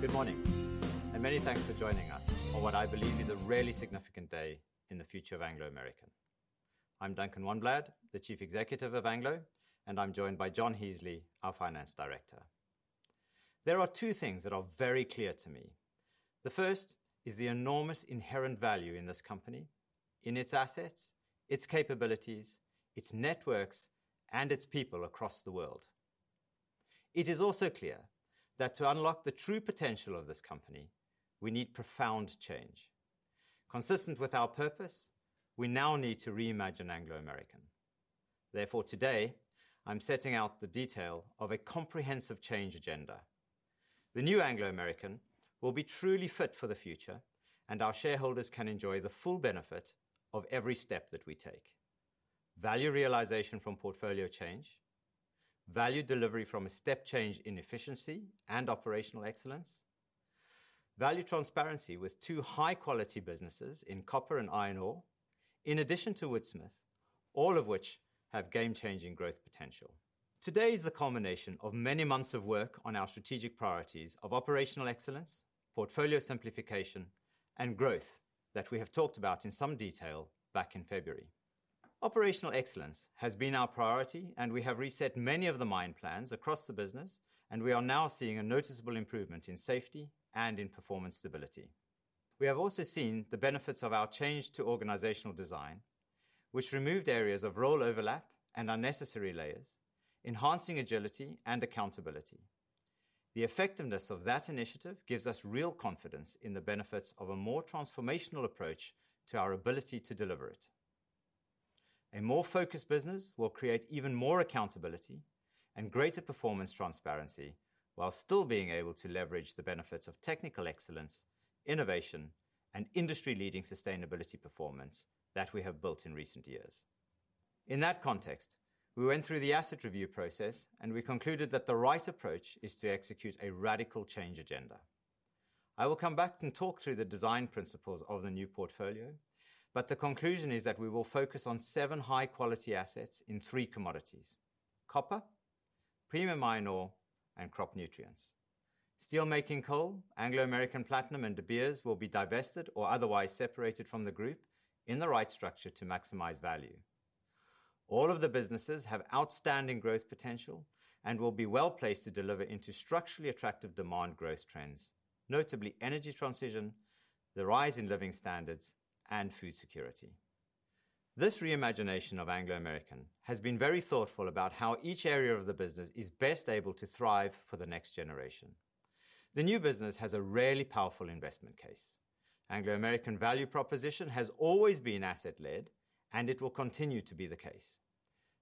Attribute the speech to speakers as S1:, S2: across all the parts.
S1: Good morning, and many thanks for joining us on what I believe is a really significant day in the future of Anglo American. I'm Duncan Wanblad, the Chief Executive of Anglo, and I'm joined by John Heasley, our Finance Director. There are two things that are very clear to me. The first is the enormous inherent value in this company, in its assets, its capabilities, its networks, and its people across the world. It is also clear that to unlock the true potential of this company, we need profound change. Consistent with our purpose, we now need to reimagine Anglo American. Therefore, today, I'm setting out the detail of a comprehensive change agenda. The new Anglo American will be truly fit for the future, and our shareholders can enjoy the full benefit of every step that we take. Value realization from portfolio change, value delivery from a step change in efficiency and operational excellence, value transparency with two high-quality businesses in copper and iron ore, in addition to Woodsmith, all of which have game-changing growth potential. Today is the culmination of many months of work on our strategic priorities of operational excellence, portfolio simplification, and growth that we have talked about in some detail back in February. Operational excellence has been our priority, and we have reset many of the mine plans across the business, and we are now seeing a noticeable improvement in safety and in performance stability. We have also seen the benefits of our change to organizational design, which removed areas of role overlap and unnecessary layers, enhancing agility and accountability. The effectiveness of that initiative gives us real confidence in the benefits of a more transformational approach to our ability to deliver it. A more focused business will create even more accountability and greater performance transparency, while still being able to leverage the benefits of technical excellence, innovation, and industry-leading sustainability performance that we have built in recent years. In that context, we went through the asset review process, and we concluded that the right approach is to execute a radical change agenda. I will come back and talk through the design principles of the new portfolio, but the conclusion is that we will focus on seven high-quality assets in three commodities: copper, premium iron ore, and crop nutrients. Steelmaking coal, Anglo American Platinum, and De Beers will be divested or otherwise separated from the group in the right structure to maximize value. All of the businesses have outstanding growth potential and will be well-placed to deliver into structurally attractive demand growth trends, notably energy transition, the rise in living standards, and food security. This reimagination of Anglo American has been very thoughtful about how each area of the business is best able to thrive for the next generation. The new business has a really powerful investment case. Anglo American value proposition has always been asset-led, and it will continue to be the case.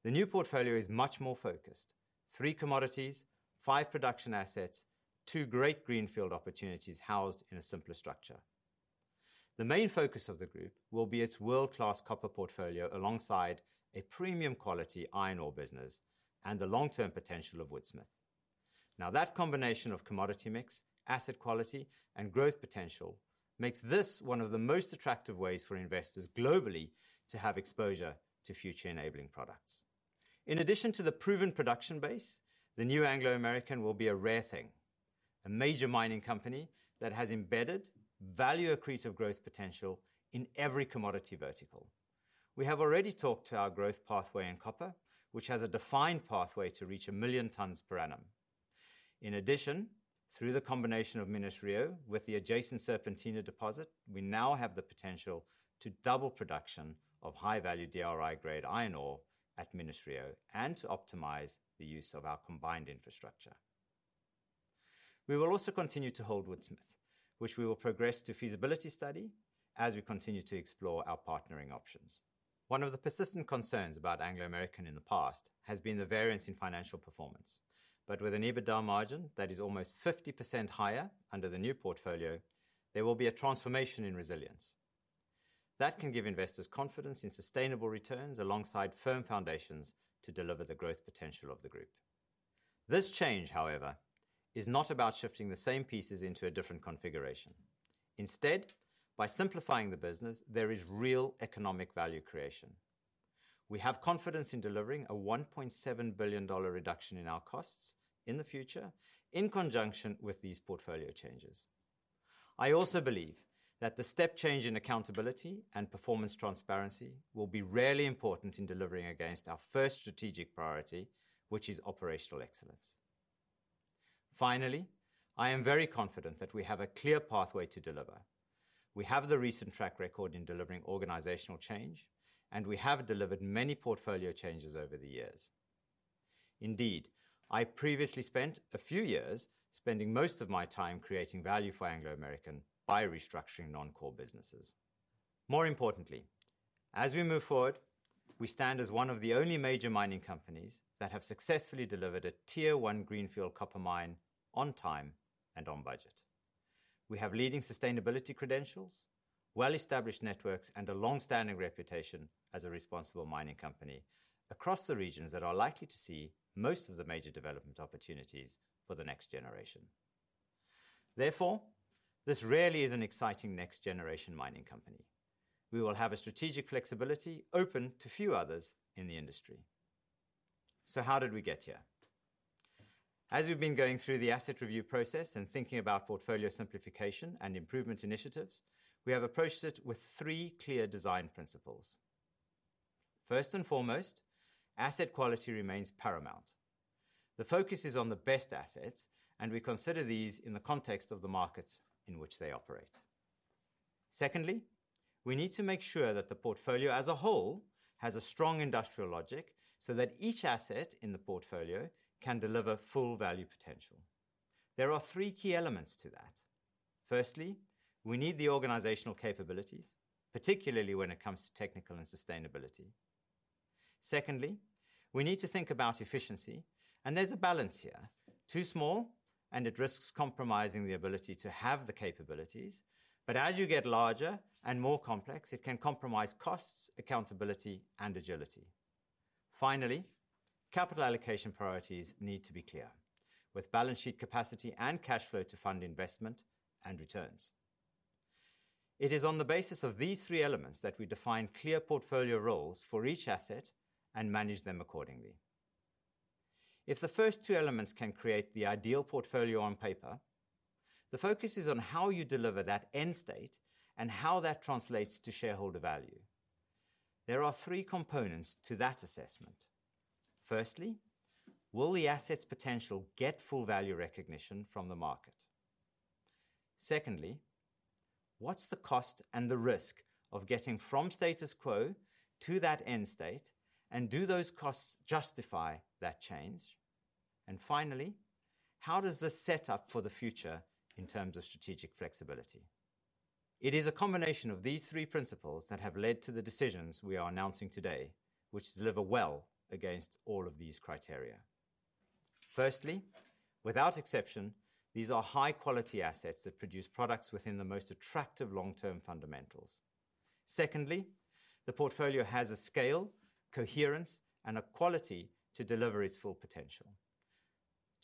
S1: The new portfolio is much more focused: three commodities, five production assets, two great greenfield opportunities housed in a simpler structure. The main focus of the group will be its world-class copper portfolio, alongside a premium quality iron ore business and the long-term potential of Woodsmith. Now, that combination of commodity mix, asset quality, and growth potential makes this one of the most attractive ways for investors globally to have exposure to future enabling products. In addition to the proven production base, the new Anglo American will be a rare thing, a major mining company that has embedded value accretive growth potential in every commodity vertical. We have already talked to our growth pathway in copper, which has a defined pathway to reach 1 million tonnes per annum. In addition, through the combination of Minas-Rio with the adjacent Serpentina deposit, we now have the potential to double production of high-value DRI-grade iron ore at Minas-Rio and to optimize the use of our combined infrastructure. We will also continue to hold Woodsmith, which we will progress to feasibility study as we continue to explore our partnering options. One of the persistent concerns about Anglo American in the past has been the variance in financial performance. But with an EBITDA margin that is almost 50% higher under the new portfolio, there will be a transformation in resilience. That can give investors confidence in sustainable returns alongside firm foundations to deliver the growth potential of the group. This change, however, is not about shifting the same pieces into a different configuration. Instead, by simplifying the business, there is real economic value creation. We have confidence in delivering a $1.7 billion reduction in our costs in the future in conjunction with these portfolio changes. I also believe that the step change in accountability and performance transparency will be really important in delivering against our first strategic priority, which is operational excellence. Finally, I am very confident that we have a clear pathway to deliver. We have the recent track record in delivering organizational change, and we have delivered many portfolio changes over the years. Indeed, I previously spent a few years spending most of my time creating value for Anglo American by restructuring non-core businesses. More importantly, as we move forward, we stand as one of the only major mining companies that have successfully delivered a tier one greenfield copper mine on time and on budget. We have leading sustainability credentials, well-established networks, and a long-standing reputation as a responsible mining company across the regions that are likely to see most of the major development opportunities for the next generation. Therefore, this really is an exciting next-generation mining company. We will have a strategic flexibility open to few others in the industry. So how did we get here? As we've been going through the asset review process and thinking about portfolio simplification and improvement initiatives, we have approached it with three clear design principles. First and foremost, asset quality remains paramount. The focus is on the best assets, and we consider these in the context of the markets in which they operate. Secondly, we need to make sure that the portfolio as a whole has a strong industrial logic, so that each asset in the portfolio can deliver full value potential. There are three key elements to that. Firstly, we need the organizational capabilities, particularly when it comes to technical and sustainability. Secondly, we need to think about efficiency, and there's a balance here. Too small, and it risks compromising the ability to have the capabilities. But as you get larger and more complex, it can compromise costs, accountability, and agility. Finally, capital allocation priorities need to be clear, with balance sheet capacity and cash flow to fund investment and returns. It is on the basis of these three elements that we define clear portfolio roles for each asset and manage them accordingly. If the first two elements can create the ideal portfolio on paper, the focus is on how you deliver that end state and how that translates to shareholder value. There are three components to that assessment. Firstly, will the asset's potential get full value recognition from the market? Secondly, what's the cost and the risk of getting from status quo to that end state, and do those costs justify that change? And finally, how does this set up for the future in terms of strategic flexibility? It is a combination of these three principles that have led to the decisions we are announcing today, which deliver well against all of these criteria. Firstly, without exception, these are high-quality assets that produce products within the most attractive long-term fundamentals. Secondly, the portfolio has a scale, coherence, and a quality to deliver its full potential.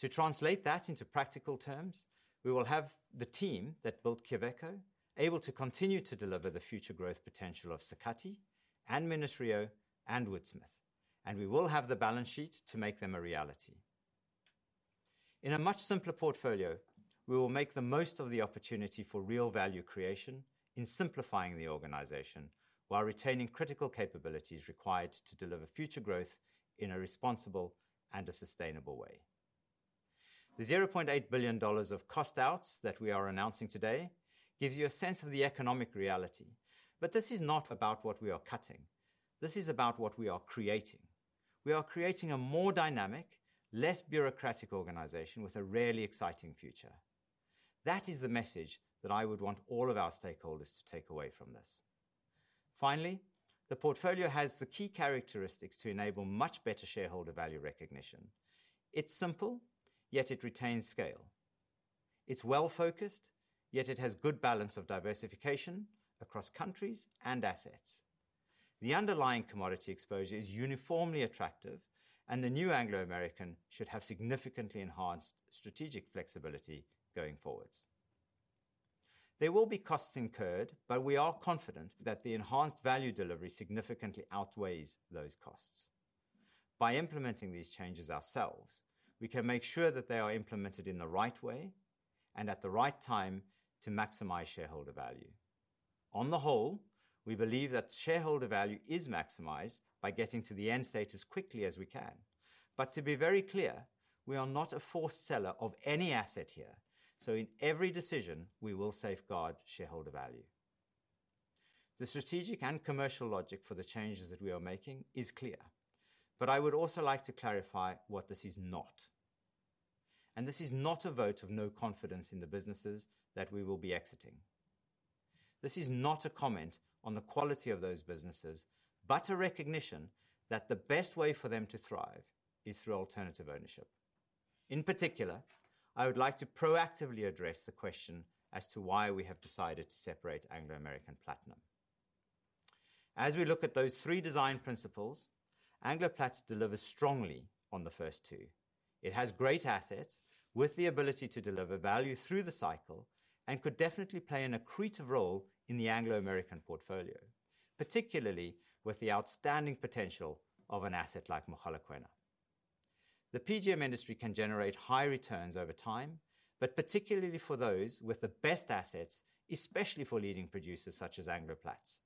S1: To translate that into practical terms, we will have the team that built Quellaveco able to continue to deliver the future growth potential of Sakatti and Minas-Rio and Woodsmith, and we will have the balance sheet to make them a reality. In a much simpler portfolio, we will make the most of the opportunity for real value creation in simplifying the organization, while retaining critical capabilities required to deliver future growth in a responsible and a sustainable way. The $0.8 billion of cost outs that we are announcing today gives you a sense of the economic reality, but this is not about what we are cutting. This is about what we are creating. We are creating a more dynamic, less bureaucratic organization with a really exciting future. That is the message that I would want all of our stakeholders to take away from this. Finally, the portfolio has the key characteristics to enable much better shareholder value recognition. It's simple, yet it retains scale. It's well-focused, yet it has good balance of diversification across countries and assets. The underlying commodity exposure is uniformly attractive, and the new Anglo American should have significantly enhanced strategic flexibility going forwards. There will be costs incurred, but we are confident that the enhanced value delivery significantly outweighs those costs. By implementing these changes ourselves, we can make sure that they are implemented in the right way and at the right time to maximize shareholder value. On the whole, we believe that shareholder value is maximized by getting to the end state as quickly as we can. But to be very clear, we are not a forced seller of any asset here, so in every decision, we will safeguard shareholder value. The strategic and commercial logic for the changes that we are making is clear, but I would also like to clarify what this is not. This is not a vote of no confidence in the businesses that we will be exiting. This is not a comment on the quality of those businesses, but a recognition that the best way for them to thrive is through alternative ownership. In particular, I would like to proactively address the question as to why we have decided to separate Anglo American Platinum. As we look at those three design principles, Anglo Plats delivers strongly on the first two. It has great assets with the ability to deliver value through the cycle and could definitely play an accretive role in the Anglo American portfolio, particularly with the outstanding potential of an asset like Mogalakwena. The PGM industry can generate high returns over time, but particularly for those with the best assets, especially for leading producers such as Anglo Plats.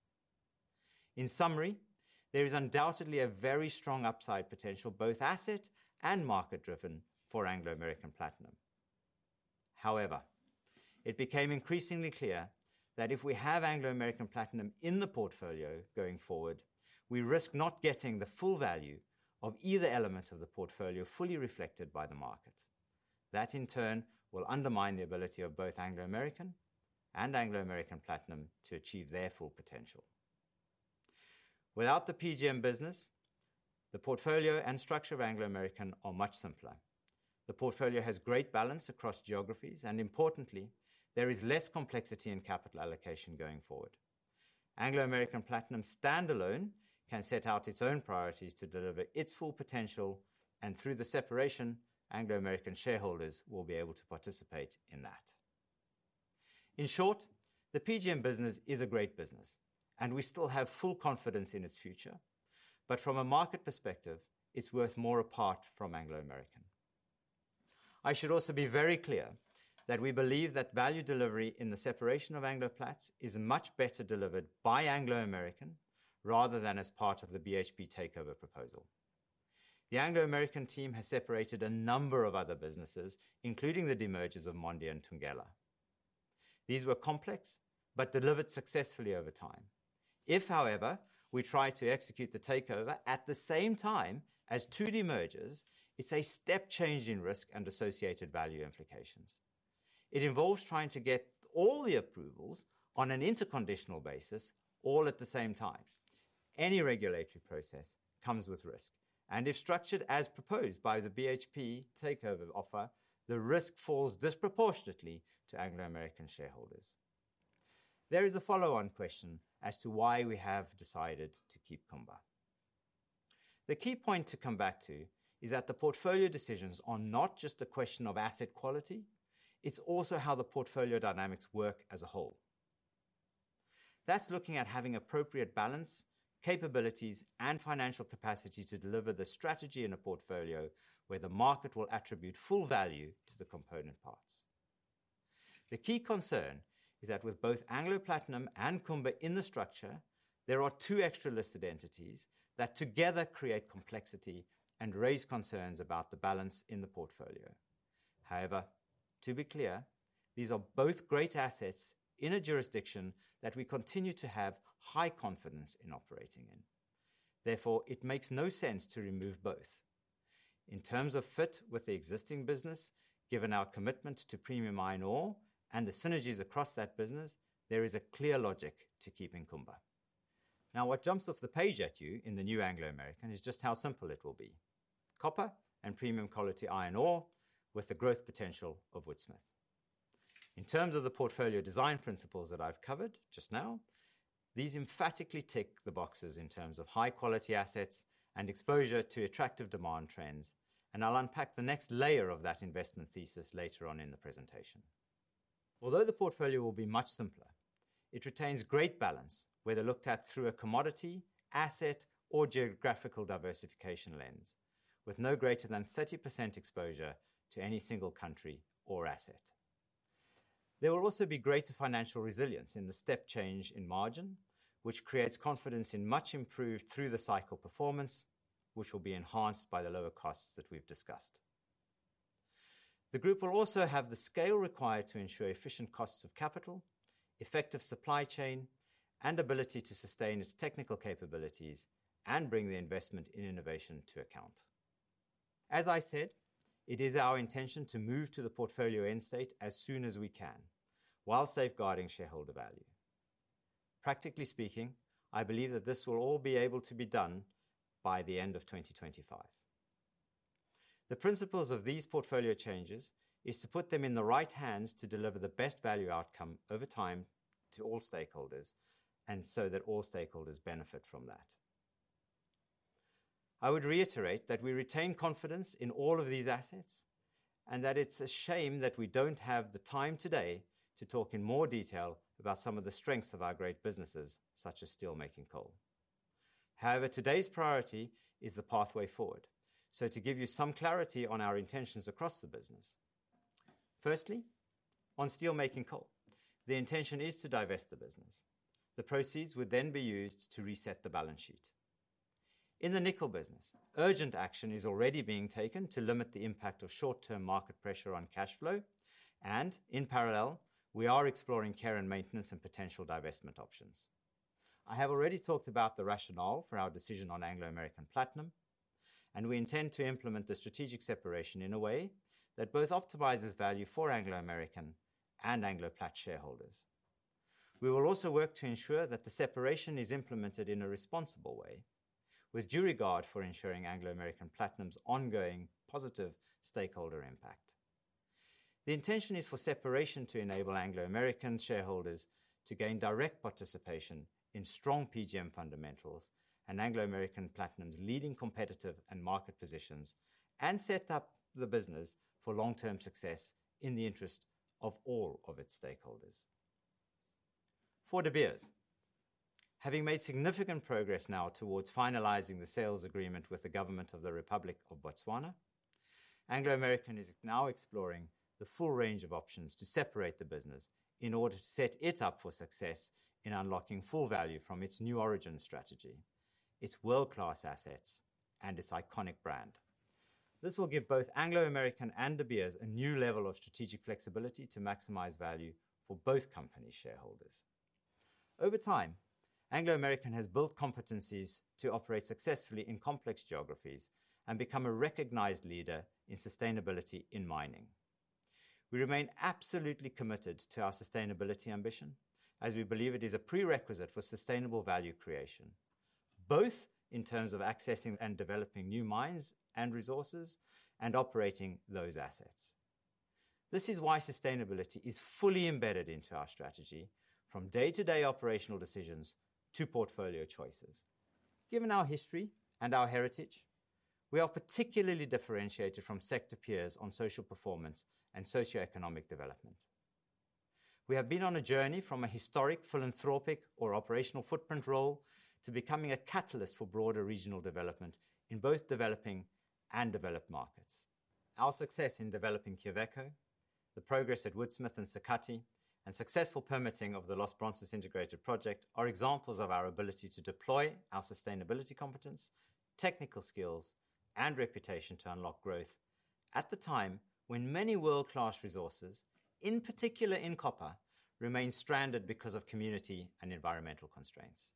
S1: In summary, there is undoubtedly a very strong upside potential, both asset and market-driven, for Anglo American Platinum. However, it became increasingly clear that if we have Anglo American Platinum in the portfolio going forward, we risk not getting the full value of either element of the portfolio fully reflected by the market. That, in turn, will undermine the ability of both Anglo American and Anglo American Platinum to achieve their full potential. Without the PGM business, the portfolio and structure of Anglo American are much simpler. The portfolio has great balance across geographies, and importantly, there is less complexity in capital allocation going forward. Anglo American Platinum standalone can set out its own priorities to deliver its full potential, and through the separation, Anglo American shareholders will be able to participate in that. In short, the PGM business is a great business, and we still have full confidence in its future, but from a market perspective, it's worth more apart from Anglo American. I should also be very clear that we believe that value delivery in the separation of Anglo Plat is much better delivered by Anglo American rather than as part of the BHP takeover proposal. The Anglo American team has separated a number of other businesses, including the demergers of Mondi and Thungela. These were complex but delivered successfully over time. If, however, we try to execute the takeover at the same time as two demergers, it's a step change in risk and associated value implications. It involves trying to get all the approvals on an interconditional basis, all at the same time. Any regulatory process comes with risk, and if structured as proposed by the BHP takeover offer, the risk falls disproportionately to Anglo American shareholders. There is a follow-on question as to why we have decided to keep Kumba. The key point to come back to is that the portfolio decisions are not just a question of asset quality, it's also how the portfolio dynamics work as a whole. That's looking at having appropriate balance, capabilities, and financial capacity to deliver the strategy in a portfolio where the market will attribute full value to the component parts. The key concern is that with both Anglo Platinum and Kumba in the structure, there are two extra listed entities that together create complexity and raise concerns about the balance in the portfolio. However, to be clear, these are both great assets in a jurisdiction that we continue to have high confidence in operating in. Therefore, it makes no sense to remove both. In terms of fit with the existing business, given our commitment to premium iron ore and the synergies across that business, there is a clear logic to keeping Kumba. Now, what jumps off the page at you in the new Anglo American is just how simple it will be. Copper and premium quality iron ore with the growth potential of Woodsmith. In terms of the portfolio design principles that I've covered just now, these emphatically tick the boxes in terms of high-quality assets and exposure to attractive demand trends, and I'll unpack the next layer of that investment thesis later on in the presentation. Although the portfolio will be much simpler, it retains great balance, whether looked at through a commodity, asset, or geographical diversification lens, with no greater than 30% exposure to any single country or asset. There will also be greater financial resilience in the step change in margin, which creates confidence in much improved through the cycle performance, which will be enhanced by the lower costs that we've discussed. The group will also have the scale required to ensure efficient costs of capital, effective supply chain, and ability to sustain its technical capabilities and bring the investment in innovation to account. As I said, it is our intention to move to the portfolio end state as soon as we can while safeguarding shareholder value. Practically speaking, I believe that this will all be able to be done by the end of 2025. The principles of these portfolio changes is to put them in the right hands to deliver the best value outcome over time to all stakeholders, and so that all stakeholders benefit from that. I would reiterate that we retain confidence in all of these assets and that it's a shame that we don't have the time today to talk in more detail about some of the strengths of our great businesses, such as steelmaking coal. However, today's priority is the pathway forward. So to give you some clarity on our intentions across the business, firstly, on steelmaking coal, the intention is to divest the business. The proceeds would then be used to reset the balance sheet. In the nickel business, urgent action is already being taken to limit the impact of short-term market pressure on cash flow, and in parallel, we are exploring care and maintenance and potential divestment options. I have already talked about the rationale for our decision on Anglo American Platinum, and we intend to implement the strategic separation in a way that both optimizes value for Anglo American and Anglo Plat shareholders. We will also work to ensure that the separation is implemented in a responsible way, with due regard for ensuring Anglo American Platinum's ongoing positive stakeholder impact. The intention is for separation to enable Anglo American shareholders to gain direct participation in strong PGM fundamentals and Anglo American Platinum's leading competitive and market positions, and set up the business for long-term success in the interest of all of its stakeholders. For De Beers, having made significant progress now towards finalizing the sales agreement with the government of the Republic of Botswana, Anglo American is now exploring the full range of options to separate the business in order to set it up for success in unlocking full value from its new origin strategy, its world-class assets, and its iconic brand. This will give both Anglo American and De Beers a new level of strategic flexibility to maximize value for both company shareholders. Over time, Anglo American has built competencies to operate successfully in complex geographies and become a recognized leader in sustainability in mining. We remain absolutely committed to our sustainability ambition, as we believe it is a prerequisite for sustainable value creation, both in terms of accessing and developing new mines and resources and operating those assets. This is why sustainability is fully embedded into our strategy from day-to-day operational decisions to portfolio choices. Given our history and our heritage. We are particularly differentiated from sector peers on social performance and socioeconomic development. We have been on a journey from a historic philanthropic or operational footprint role to becoming a catalyst for broader regional development in both developing and developed markets. Our success in developing Quellaveco, the progress at Woodsmith and Sakatti, and successful permitting of the Los Bronces Integrated Project are examples of our ability to deploy our sustainability competence, technical skills, and reputation to unlock growth at the time when many world-class resources, in particular in copper, remain stranded because of community and environmental constraints.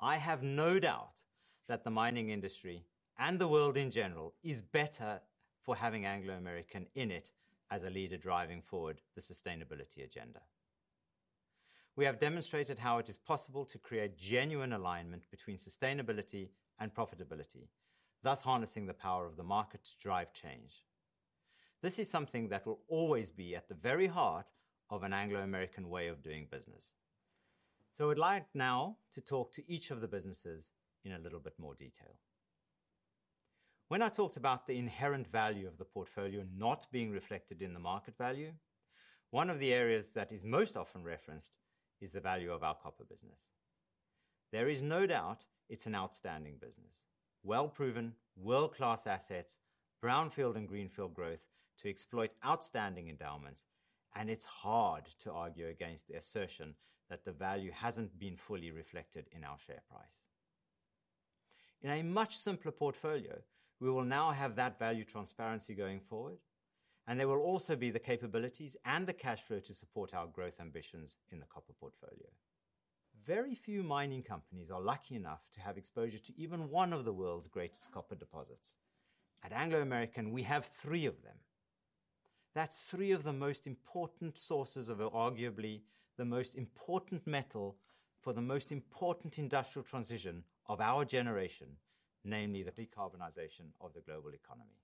S1: I have no doubt that the mining industry, and the world in general, is better for having Anglo American in it as a leader driving forward the sustainability agenda. We have demonstrated how it is possible to create genuine alignment between sustainability and profitability, thus harnessing the power of the market to drive change. This is something that will always be at the very heart of an Anglo American way of doing business. So I would like now to talk to each of the businesses in a little bit more detail. When I talked about the inherent value of the portfolio not being reflected in the market value, one of the areas that is most often referenced is the value of our copper business. There is no doubt it's an outstanding business. Well-proven, world-class assets, brownfield and greenfield growth to exploit outstanding endowments, and it's hard to argue against the assertion that the value hasn't been fully reflected in our share price. In a much simpler portfolio, we will now have that value transparency going forward, and there will also be the capabilities and the cash flow to support our growth ambitions in the copper portfolio. Very few mining companies are lucky enough to have exposure to even one of the world's greatest copper deposits. At Anglo American, we have three of them. That's three of the most important sources of arguably the most important metal for the most important industrial transition of our generation, namely the decarbonization of the global economy.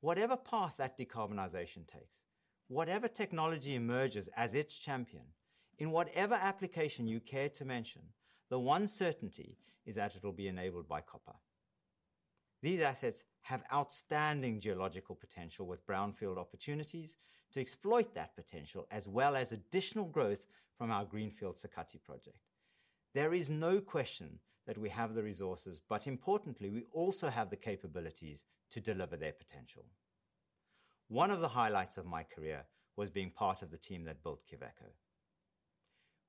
S1: Whatever path that decarbonization takes, whatever technology emerges as its champion, in whatever application you care to mention, the one certainty is that it will be enabled by copper. These assets have outstanding geological potential, with brownfield opportunities to exploit that potential, as well as additional growth from our greenfield Sakatti project. There is no question that we have the resources, but importantly, we also have the capabilities to deliver their potential. One of the highlights of my career was being part of the team that built Quellaveco.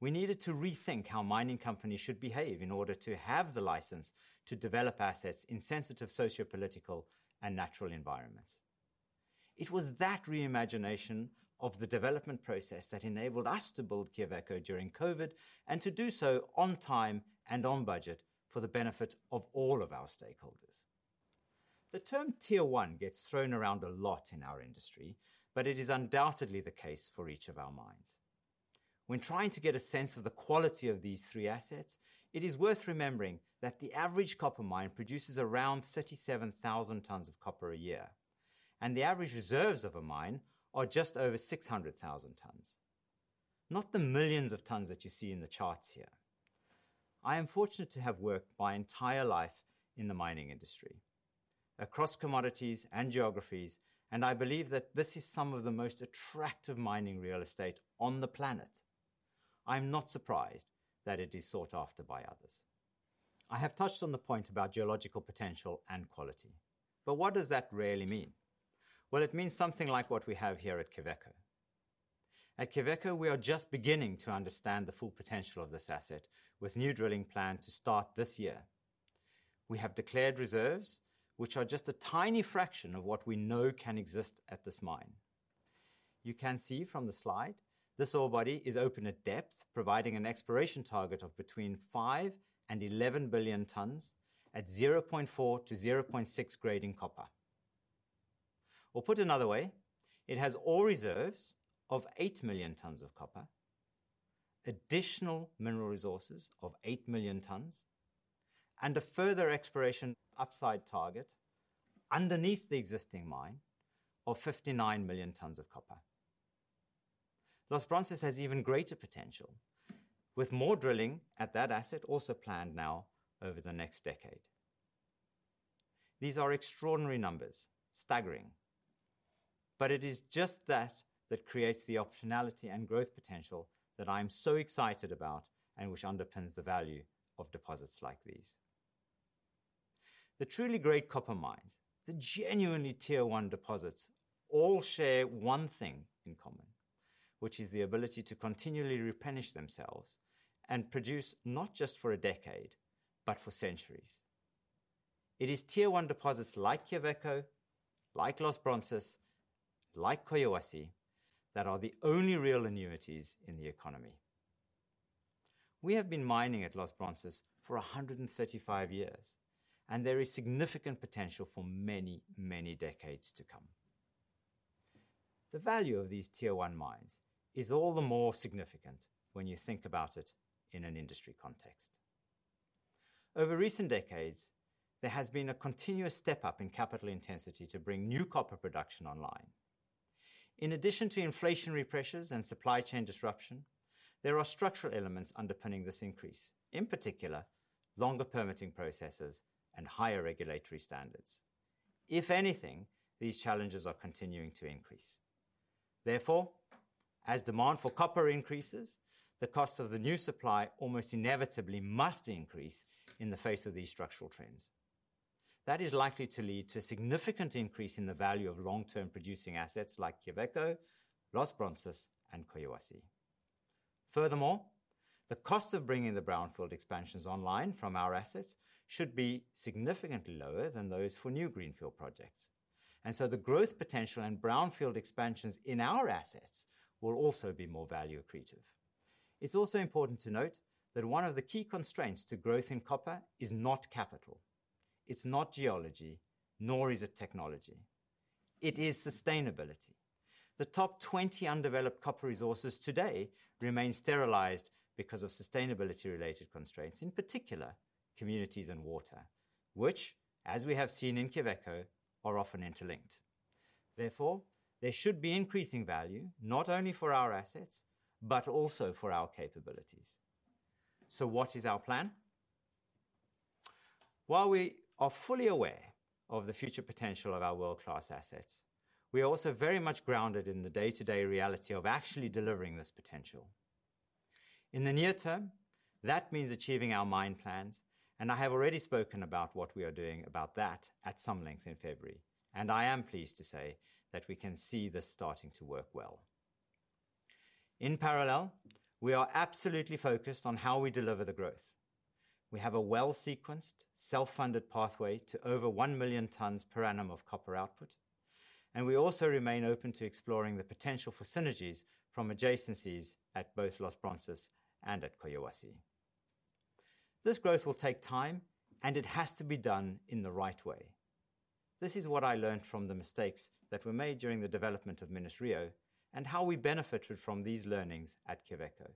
S1: We needed to rethink how mining companies should behave in order to have the license to develop assets in sensitive sociopolitical and natural environments. It was that reimagination of the development process that enabled us to build Quellaveco during COVID, and to do so on time and on budget for the benefit of all of our stakeholders. The term Tier One gets thrown around a lot in our industry, but it is undoubtedly the case for each of our mines. When trying to get a sense of the quality of these three assets, it is worth remembering that the average copper mine produces around 37,000 tons of copper a year, and the average reserves of a mine are just over 600,000 tons, not the millions of tons that you see in the charts here. I am fortunate to have worked my entire life in the mining industry, across commodities and geographies, and I believe that this is some of the most attractive mining real estate on the planet. I'm not surprised that it is sought after by others. I have touched on the point about geological potential and quality, but what does that really mean? Well, it means something like what we have here at Quellaveco. At Quellaveco, we are just beginning to understand the full potential of this asset, with new drilling planned to start this year. We have declared reserves, which are just a tiny fraction of what we know can exist at this mine. You can see from the slide, this ore body is open at depth, providing an exploration target of between 5 and 11 billion tons at 0.4-0.6 grade in copper. Or put another way, it has ore reserves of 8 million tons of copper, additional mineral resources of 8 million tons, and a further exploration upside target underneath the existing mine of 59 million tons of copper. Los Bronces has even greater potential, with more drilling at that asset also planned now over the next decade. These are extraordinary numbers, staggering. But it is just that that creates the optionality and growth potential that I'm so excited about, and which underpins the value of deposits like these. The truly great copper mines, the genuinely Tier One deposits, all share one thing in common, which is the ability to continually replenish themselves and produce not just for a decade, but for centuries. It is Tier One deposits like Quellaveco, like Los Bronces, like Collahuasi, that are the only real annuities in the economy. We have been mining at Los Bronces for 135 years, and there is significant potential for many, many decades to come. The value of these Tier 1 mines is all the more significant when you think about it in an industry context. Over recent decades, there has been a continuous step up in capital intensity to bring new copper production online. In addition to inflationary pressures and supply chain disruption, there are structural elements underpinning this increase. In particular, longer permitting processes and higher regulatory standards. If anything, these challenges are continuing to increase. Therefore, as demand for copper increases, the cost of the new supply almost inevitably must increase in the face of these structural trends. That is likely to lead to a significant increase in the value of long-term producing assets like Quellaveco, Los Bronces, and Collahuasi. Furthermore, the cost of bringing the brownfield expansions online from our assets should be significantly lower than those for new greenfield projects. So the growth potential and brownfield expansions in our assets will also be more value accretive. It's also important to note that one of the key constraints to growth in copper is not capital, it's not geology, nor is it technology. It is sustainability. The top 20 undeveloped copper resources today remain sterilized because of sustainability-related constraints, in particular, communities and water, which, as we have seen in Quellaveco, are often interlinked. Therefore, there should be increasing value, not only for our assets, but also for our capabilities. So what is our plan? While we are fully aware of the future potential of our world-class assets, we are also very much grounded in the day-to-day reality of actually delivering this potential. In the near term, that means achieving our mine plans, and I have already spoken about what we are doing about that at some length in February. I am pleased to say that we can see this starting to work well. In parallel, we are absolutely focused on how we deliver the growth. We have a well-sequenced, self-funded pathway to over 1 million tons per annum of copper output, and we also remain open to exploring the potential for synergies from adjacencies at both Los Bronces and at Quellaveco. This growth will take time, and it has to be done in the right way. This is what I learned from the mistakes that were made during the development of Minas-Rio and how we benefited from these learnings at Quellaveco.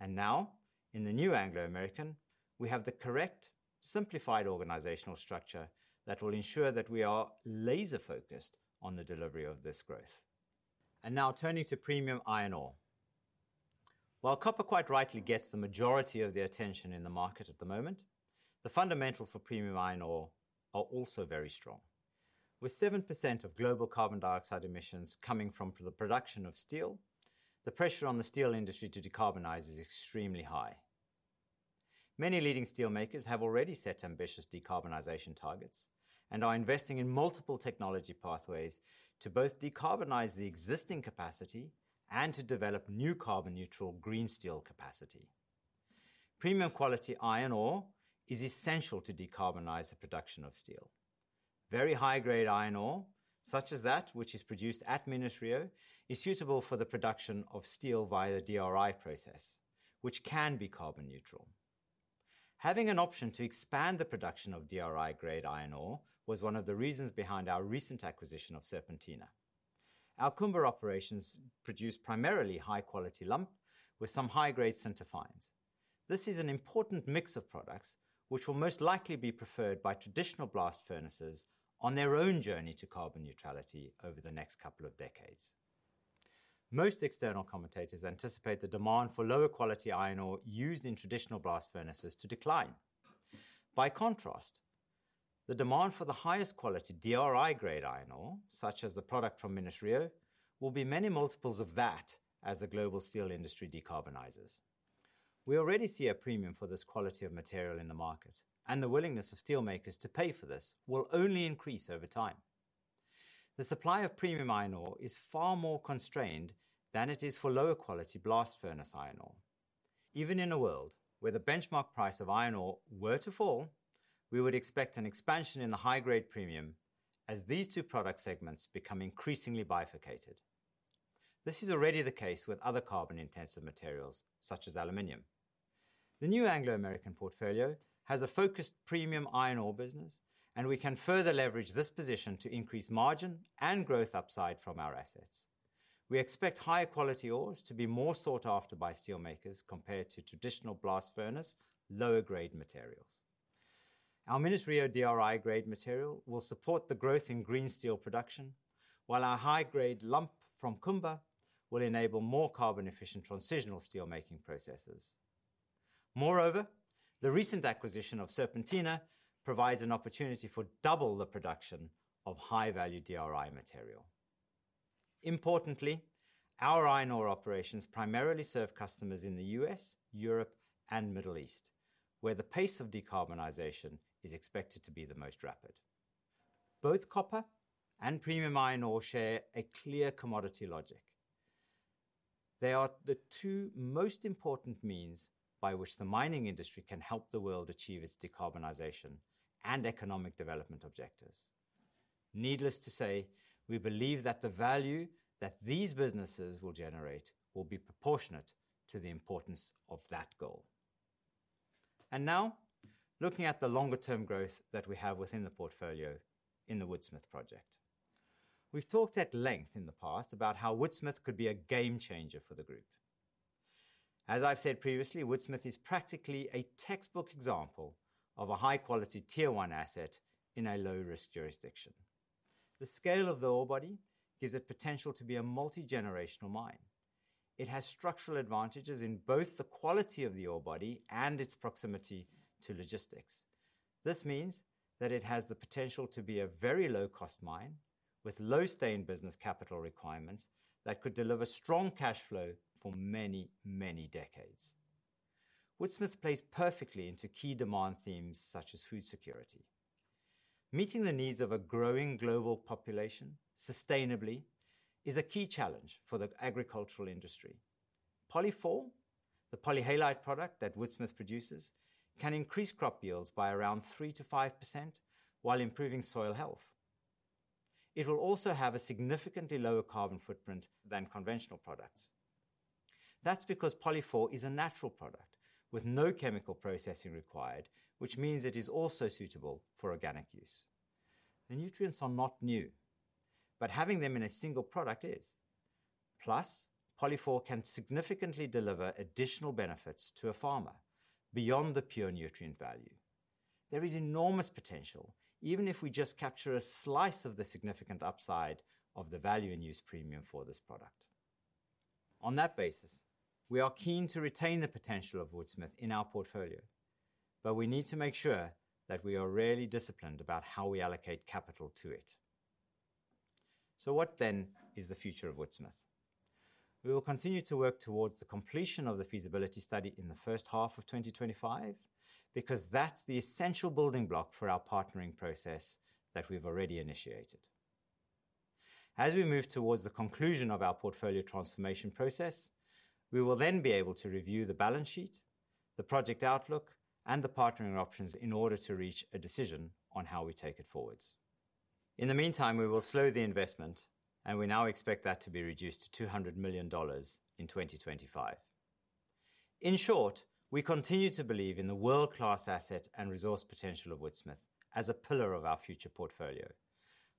S1: And now, in the new Anglo American, we have the correct, simplified organizational structure that will ensure that we are laser-focused on the delivery of this growth. And now turning to premium iron ore. While copper quite rightly gets the majority of the attention in the market at the moment, the fundamentals for premium iron ore are also very strong. With 7% of global carbon dioxide emissions coming from the production of steel, the pressure on the steel industry to decarbonize is extremely high. Many leading steelmakers have already set ambitious decarbonization targets and are investing in multiple technology pathways to both decarbonize the existing capacity and to develop new carbon neutral green steel capacity. Premium quality iron ore is essential to decarbonize the production of steel. Very high-grade iron ore, such as that which is produced at Minas-Rio, is suitable for the production of steel via the DRI process, which can be carbon neutral. Having an option to expand the production of DRI grade iron ore was one of the reasons behind our recent acquisition of Serpentina. Our Kumba operations produce primarily high-quality lump with some high-grade sinter fines. This is an important mix of products which will most likely be preferred by traditional blast furnaces on their own journey to carbon neutrality over the next couple of decades. Most external commentators anticipate the demand for lower quality iron ore used in traditional blast furnaces to decline. By contrast, the demand for the highest quality DRI grade iron ore, such as the product from Minas-Rio, will be many multiples of that as the global steel industry decarbonizes. We already see a premium for this quality of material in the market, and the willingness of steelmakers to pay for this will only increase over time. The supply of premium iron ore is far more constrained than it is for lower quality blast furnace iron ore. Even in a world where the benchmark price of iron ore were to fall, we would expect an expansion in the high-grade premium as these two product segments become increasingly bifurcated. This is already the case with other carbon-intensive materials, such as aluminum. The new Anglo American portfolio has a focused premium iron ore business, and we can further leverage this position to increase margin and growth upside from our assets. We expect higher quality ores to be more sought after by steelmakers compared to traditional blast furnace, lower grade materials. Our Minas-Rio DRI grade material will support the growth in green steel production, while our high-grade lump from Kumba will enable more carbon efficient transitional steelmaking processes. Moreover, the recent acquisition of Serpentina provides an opportunity for double the production of high-value DRI material. Importantly, our iron ore operations primarily serve customers in the U.S., Europe, and Middle East, where the pace of decarbonization is expected to be the most rapid. Both copper and premium iron ore share a clear commodity logic. They are the two most important means by which the mining industry can help the world achieve its decarbonization and economic development objectives. Needless to say, we believe that the value that these businesses will generate will be proportionate to the importance of that goal. And now, looking at the longer term growth that we have within the portfolio in the Woodsmith project. We've talked at length in the past about how Woodsmith could be a game changer for the group. As I've said previously, Woodsmith is practically a textbook example of a high-quality Tier One asset in a low-risk jurisdiction. The scale of the ore body gives it potential to be a multi-generational mine. It has structural advantages in both the quality of the ore body and its proximity to logistics. This means that it has the potential to be a very low-cost mine, with low stay-in-business capital requirements that could deliver strong cash flow for many, many decades. Woodsmith plays perfectly into key demand themes such as food security. Meeting the needs of a growing global population sustainably is a key challenge for the agricultural industry. POLY4, the polyhalite product that Woodsmith produces, can increase crop yields by around 3%-5% while improving soil health. It will also have a significantly lower carbon footprint than conventional products. That's because POLY4 is a natural product with no chemical processing required, which means it is also suitable for organic use. The nutrients are not new, but having them in a single product is. Plus, POLY4 can significantly deliver additional benefits to a farmer beyond the pure nutrient value. There is enormous potential, even if we just capture a slice of the significant upside of the value and use premium for this product. On that basis, we are keen to retain the potential of Woodsmith in our portfolio, but we need to make sure that we are really disciplined about how we allocate capital to it. So what then is the future of Woodsmith? We will continue to work towards the completion of the feasibility study in the first half of 2025, because that's the essential building block for our partnering process that we've already initiated. As we move towards the conclusion of our portfolio transformation process, we will then be able to review the balance sheet, the project outlook, and the partnering options in order to reach a decision on how we take it forwards. In the meantime, we will slow the investment, and we now expect that to be reduced to $200 million in 2025. In short, we continue to believe in the world-class asset and resource potential of Woodsmith as a pillar of our future portfolio.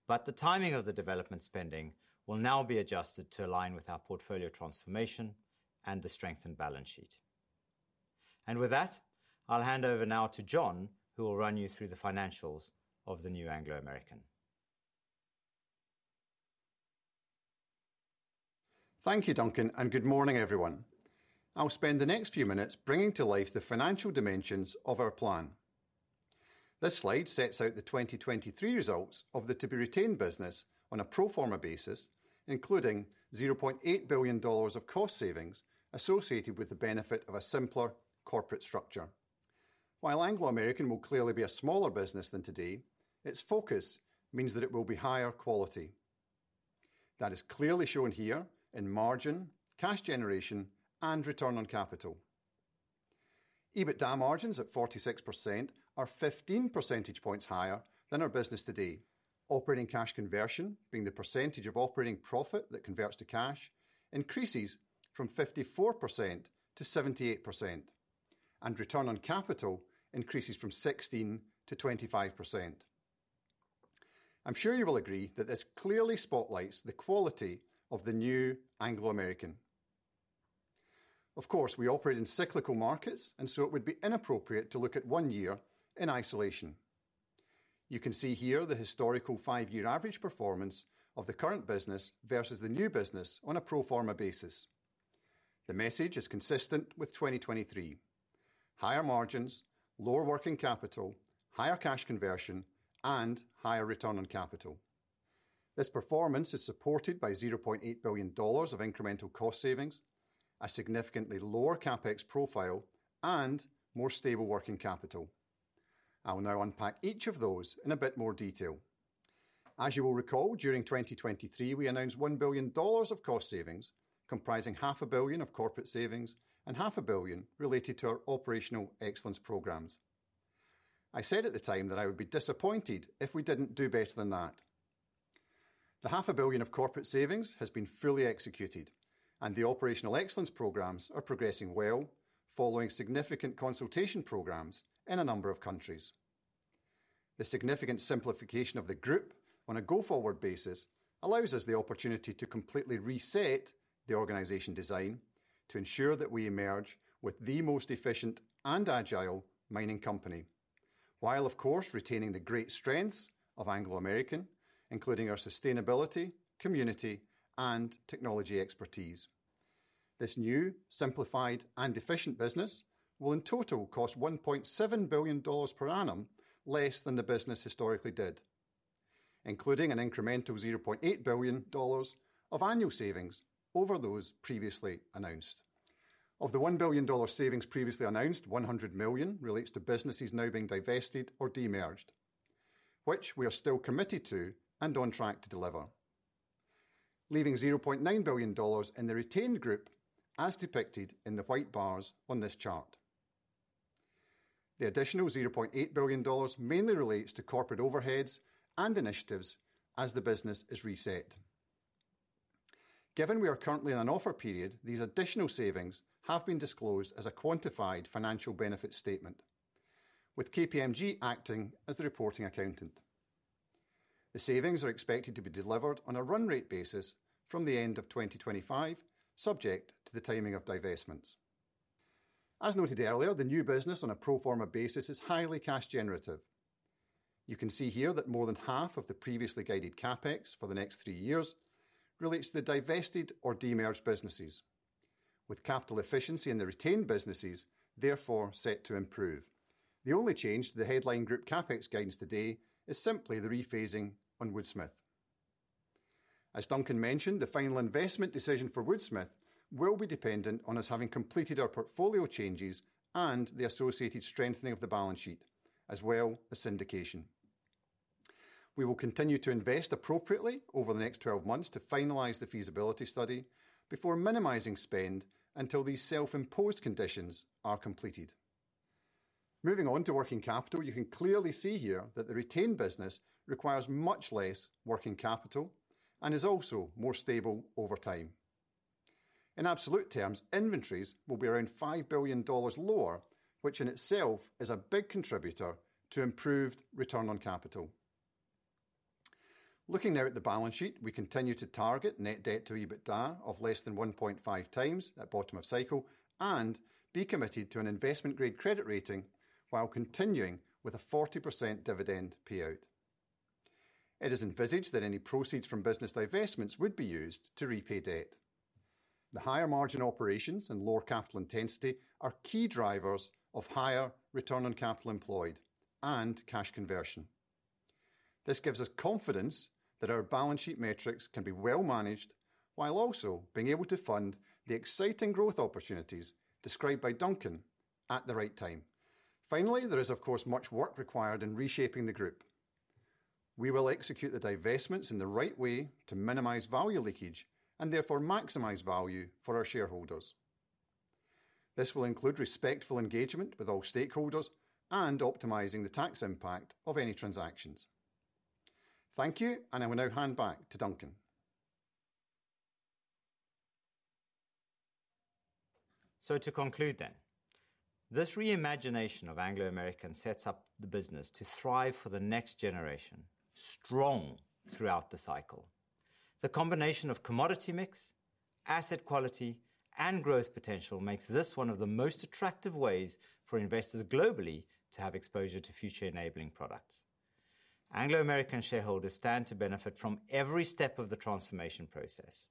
S1: But the timing of the development spending will now be adjusted to align with our portfolio transformation and the strengthened balance sheet. With that, I'll hand over now to John, who will run you through the financials of the new Anglo American.
S2: Thank you, Duncan, and good morning, everyone. I'll spend the next few minutes bringing to life the financial dimensions of our plan. This slide sets out the 2023 results of the to-be-retained business on a pro forma basis, including $0.8 billion of cost savings associated with the benefit of a simpler corporate structure. While Anglo American will clearly be a smaller business than today, its focus means that it will be higher quality. That is clearly shown here in margin, cash generation, and return on capital. EBITDA margins at 46% are 15 percentage points higher than our business today. Operating cash conversion, being the percentage of operating profit that converts to cash, increases from 54%-78%, and return on capital increases from 16%-25%. I'm sure you will agree that this clearly spotlights the quality of the new Anglo American. Of course, we operate in cyclical markets, and so it would be inappropriate to look at one year in isolation. You can see here the historical five-year average performance of the current business versus the new business on a pro forma basis. The message is consistent with 2023: higher margins, lower working capital, higher cash conversion, and higher return on capital. This performance is supported by $0.8 billion of incremental cost savings, a significantly lower CapEx profile, and more stable working capital. I will now unpack each of those in a bit more detail. As you will recall, during 2023, we announced $1 billion of cost savings, comprising $0.5 billion of corporate savings and $0.5 billion related to our operational excellence programs. I said at the time that I would be disappointed if we didn't do better than that. The $0.5 billion of corporate savings has been fully executed, and the operational excellence programs are progressing well, following significant consultation programs in a number of countries. The significant simplification of the group on a go-forward basis allows us the opportunity to completely reset the organization design to ensure that we emerge with the most efficient and agile mining company, while, of course, retaining the great strengths of Anglo American, including our sustainability, community, and technology expertise. This new, simplified, and efficient business will in total cost $1.7 billion per annum, less than the business historically did, including an incremental $0.8 billion of annual savings over those previously announced. Of the $1 billion savings previously announced, $100 million relates to businesses now being divested or demerged, which we are still committed to and on track to deliver, leaving $0.9 billion in the retained group, as depicted in the white bars on this chart. The additional $0.8 billion mainly relates to corporate overheads and initiatives as the business is reset. Given we are currently in an offer period, these additional savings have been disclosed as a quantified financial benefit statement, with KPMG acting as the reporting accountant. The savings are expected to be delivered on a run rate basis from the end of 2025, subject to the timing of divestments. As noted earlier, the new business on a pro forma basis is highly cash generative. You can see here that more than half of the previously guided CapEx for the next three years relates to the divested or demerged businesses, with capital efficiency in the retained businesses therefore set to improve. The only change to the headline group CapEx guidance today is simply the rephasing on Woodsmith. As Duncan mentioned, the final investment decision for Woodsmith will be dependent on us having completed our portfolio changes and the associated strengthening of the balance sheet, as well as syndication. We will continue to invest appropriately over the next 12 months to finalize the feasibility study before minimizing spend until these self-imposed conditions are completed. Moving on to working capital, you can clearly see here that the retained business requires much less working capital and is also more stable over time. In absolute terms, inventories will be around $5 billion lower, which in itself is a big contributor to improved return on capital. Looking now at the balance sheet, we continue to target net debt to EBITDA of less than 1.5 times at bottom of cycle and be committed to an investment-grade credit rating while continuing with a 40% dividend payout. It is envisaged that any proceeds from business divestments would be used to repay debt. The higher margin operations and lower capital intensity are key drivers of higher return on capital employed and cash conversion. This gives us confidence that our balance sheet metrics can be well managed, while also being able to fund the exciting growth opportunities described by Duncan at the right time. Finally, there is of course, much work required in reshaping the group. We will execute the divestments in the right way to minimize value leakage and therefore maximize value for our shareholders. This will include respectful engagement with all stakeholders and optimizing the tax impact of any transactions. Thank you, and I will now hand back to Duncan.
S1: To conclude then, this reimagination of Anglo American sets up the business to thrive for the next generation, strong throughout the cycle. The combination of commodity mix, asset quality, and growth potential makes this one of the most attractive ways for investors globally to have exposure to future enabling products. Anglo American shareholders stand to benefit from every step of the transformation process.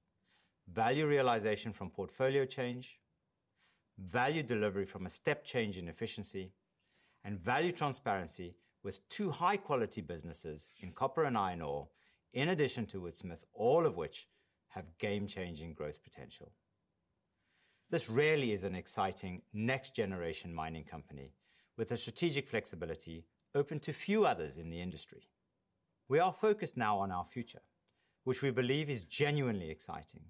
S1: Value realization from portfolio change, value delivery from a step change in efficiency, and value transparency with two high-quality businesses in copper and iron ore, in addition to Woodsmith, all of which have game-changing growth potential. This really is an exciting next-generation mining company with a strategic flexibility open to few others in the industry. We are focused now on our future, which we believe is genuinely exciting.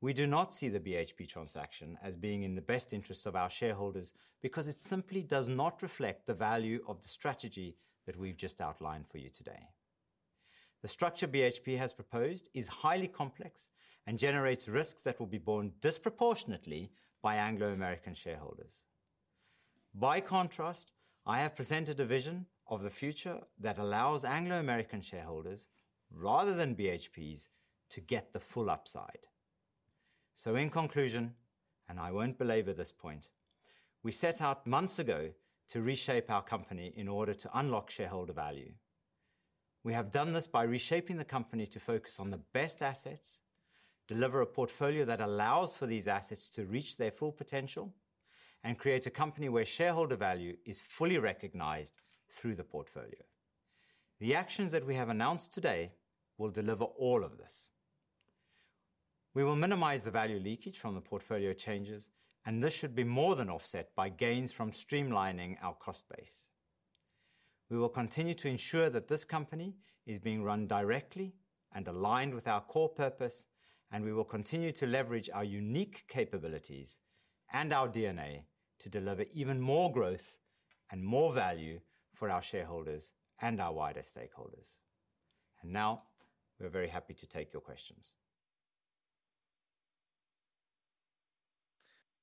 S1: We do not see the BHP transaction as being in the best interests of our shareholders because it simply does not reflect the value of the strategy that we've just outlined for you today. The structure BHP has proposed is highly complex and generates risks that will be borne disproportionately by Anglo American shareholders. By contrast, I have presented a vision of the future that allows Anglo American shareholders, rather than BHP's, to get the full upside. So in conclusion, and I won't belabor this point, we set out months ago to reshape our company in order to unlock shareholder value. We have done this by reshaping the company to focus on the best assets, deliver a portfolio that allows for these assets to reach their full potential, and create a company where shareholder value is fully recognized through the portfolio. The actions that we have announced today will deliver all of this. We will minimize the value leakage from the portfolio changes, and this should be more than offset by gains from streamlining our cost base. We will continue to ensure that this company is being run directly and aligned with our core purpose, and we will continue to leverage our unique capabilities and our DNA to deliver even more growth and more value for our shareholders and our wider stakeholders. And now we're very happy to take your questions.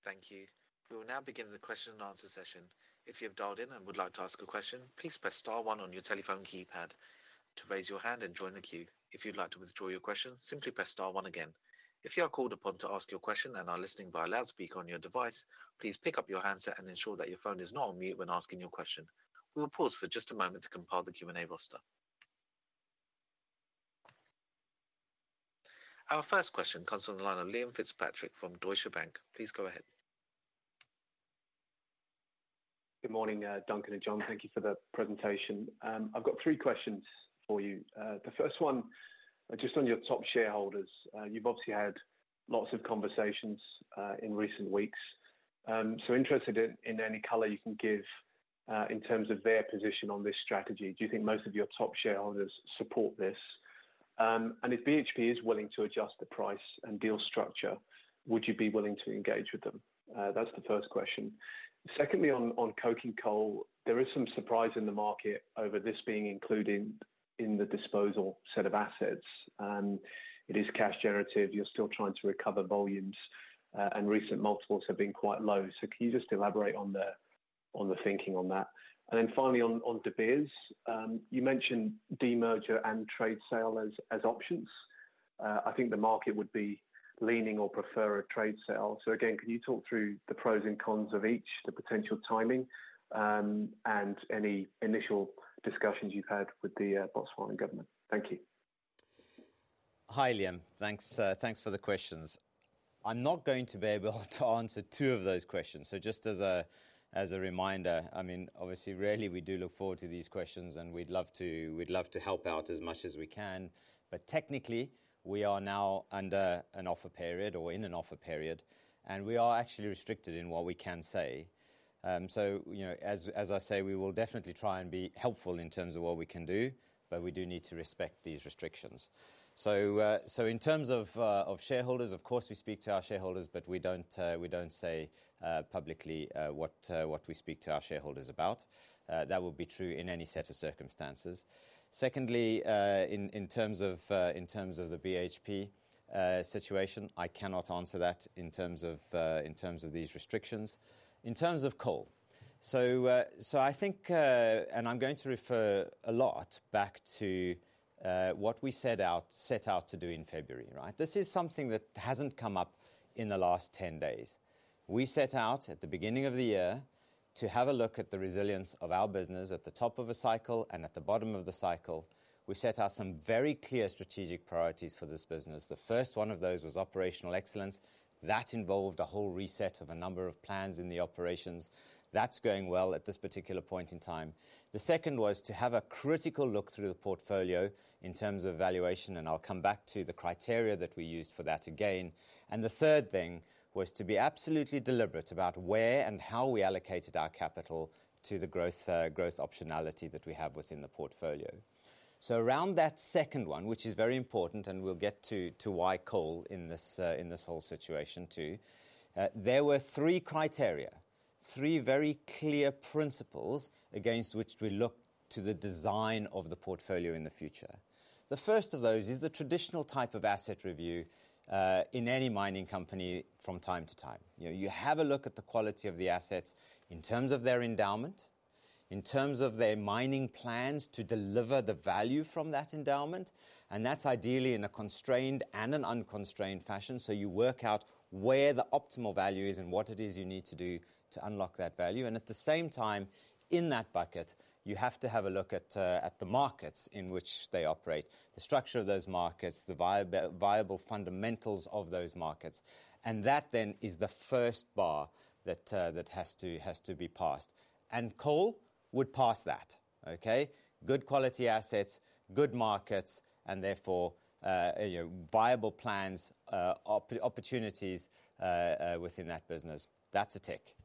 S3: Thank you. We will now begin the question and answer session. If you have dialed in and would like to ask a question, please press star one on your telephone keypad to raise your hand and join the queue. If you'd like to withdraw your question, simply press star one again. If you are called upon to ask your question and are listening via loudspeaker on your device, please pick up your handset and ensure that your phone is not on mute when asking your question. We will pause for just a moment to compile the Q&A roster. Our first question comes from the line of Liam Fitzpatrick from Deutsche Bank. Please go ahead.
S4: Good morning, Duncan and John. Thank you for the presentation. I've got three questions for you. The first one, just on your top shareholders. You've obviously had lots of conversations in recent weeks. So interested in any color you can give in terms of their position on this strategy. Do you think most of your top shareholders support this? And if BHP is willing to adjust the price and deal structure, would you be willing to engage with them? That's the first question. Secondly, on coking coal, there is some surprise in the market over this being included in the disposal set of assets. It is cash generative. You're still trying to recover volumes, and recent multiples have been quite low. So can you just elaborate on the thinking on that. And then finally, on De Beers, you mentioned demerger and trade sale as options. I think the market would be leaning or prefer a trade sale. So again, can you talk through the pros and cons of each, the potential timing, and any initial discussions you've had with the Botswana government? Thank you.
S1: Hi, Liam. Thanks, thanks for the questions. I'm not going to be able to answer two of those questions. So just as a reminder, I mean, obviously, rarely we do look forward to these questions, and we'd love to help out as much as we can. But technically, we are now under an offer period or in an offer period, and we are actually restricted in what we can say. So, you know, as I say, we will definitely try and be helpful in terms of what we can do, but we do need to respect these restrictions. So in terms of shareholders, of course, we speak to our shareholders, but we don't say publicly what we speak to our shareholders about. That would be true in any set of circumstances. Secondly, in terms of the BHP situation, I cannot answer that in terms of these restrictions. In terms of coal, so I think and I'm going to refer a lot back to what we set out to do in February, right? This is something that hasn't come up in the last 10 days. We set out at the beginning of the year to have a look at the resilience of our business at the top of a cycle and at the bottom of the cycle. We set out some very clear strategic priorities for this business. The first one of those was operational excellence. That involved a whole reset of a number of plans in the operations. That's going well at this particular point in time. The second was to have a critical look through the portfolio in terms of valuation, and I'll come back to the criteria that we used for that again. The third thing was to be absolutely deliberate about where and how we allocated our capital to the growth, growth optionality that we have within the portfolio. Around that second one, which is very important, and we'll get to why coal in this, in this whole situation too. There were three criteria, three very clear principles against which we look to the design of the portfolio in the future. The first of those is the traditional type of asset review, in any mining company from time to time. You know, you have a look at the quality of the assets in terms of their endowment, in terms of their mining plans to deliver the value from that endowment, and that's ideally in a constrained and an unconstrained fashion. So you work out where the optimal value is and what it is you need to do to unlock that value. And at the same time, in that bucket, you have to have a look at the markets in which they operate, the structure of those markets, the viable fundamentals of those markets, and that then is the first bar that has to be passed. And coal would pass that, okay? Good quality assets, good markets, and therefore, you know, viable plans, opportunities within that business. That's a tick.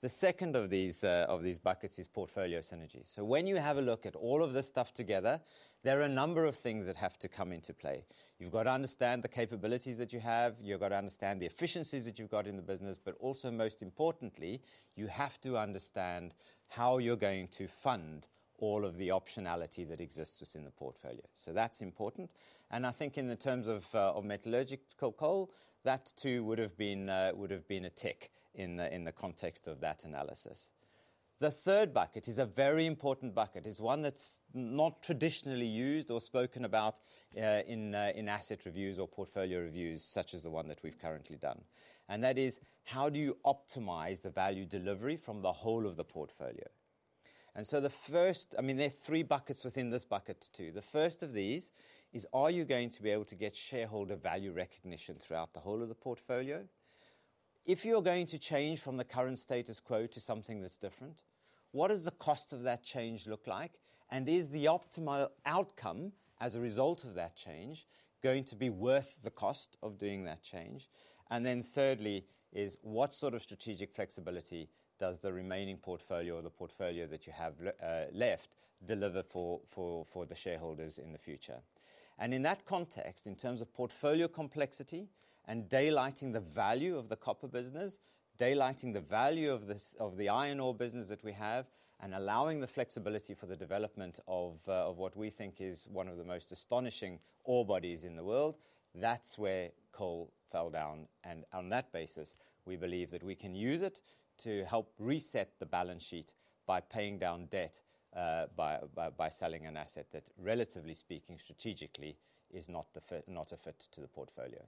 S1: The second of these, of these buckets is portfolio synergies. So when you have a look at all of this stuff together, there are a number of things that have to come into play. You've got to understand the capabilities that you have. You've got to understand the efficiencies that you've got in the business. But also, most importantly, you have to understand how you're going to fund all of the optionality that exists within the portfolio. So that's important. And I think in the terms of, of metallurgical coal, that too, would have been a, would have been a tick in the, in the context of that analysis. The third bucket is a very important bucket. It's one that's not traditionally used or spoken about, in, in asset reviews or portfolio reviews, such as the one that we've currently done. That is, how do you optimize the value delivery from the whole of the portfolio? So the first—I mean, there are three buckets within this bucket, too. The first of these is, are you going to be able to get shareholder value recognition throughout the whole of the portfolio? If you're going to change from the current status quo to something that's different, what does the cost of that change look like? And is the optimal outcome as a result of that change, going to be worth the cost of doing that change? And then thirdly is, what sort of strategic flexibility does the remaining portfolio or the portfolio that you have left deliver for the shareholders in the future? And in that context, in terms of portfolio complexity and daylighting the value of the copper business, daylighting the value of this, of the iron ore business that we have, and allowing the flexibility for the development of what we think is one of the most astonishing ore bodies in the world, that's where coal fell down. And on that basis, we believe that we can use it to help reset the balance sheet by paying down debt, by selling an asset that, relatively speaking, strategically, is not the fit, not a fit to the portfolio.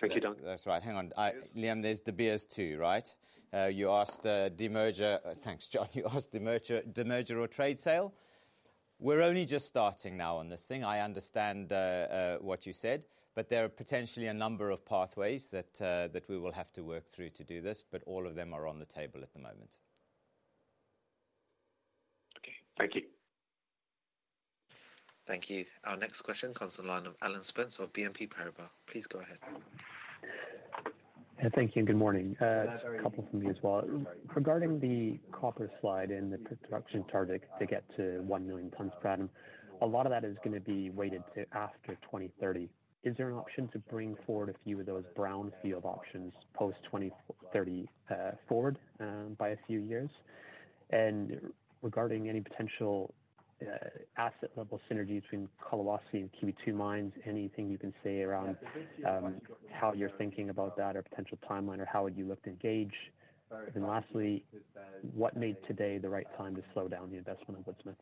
S4: Thank you, Duncan.
S1: That's right. Hang on. Liam, there's De Beers, too, right? You asked demerger. Thanks, John. You asked demerger, demerger or trade sale. We're only just starting now on this thing. I understand what you said, but there are potentially a number of pathways that that we will have to work through to do this, but all of them are on the table at the moment.
S4: Okay. Thank you.
S3: Thank you. Our next question comes on the line of Alan Spence of BNP Paribas. Please go ahead.
S5: Thank you, and good morning. A couple from me as well. Regarding the copper slide and the production target to get to 1 million tons per annum, a lot of that is gonna be weighted to after 2030. Is there an option to bring forward a few of those brownfield options, post 2030, forward, by a few years? And regarding any potential asset level synergy between Collahuasi and Quellaveco mines. Anything you can say around, how you're thinking about that or potential timeline, or how would you look to engage? And lastly, what made today the right time to slow down the investment in Woodsmith?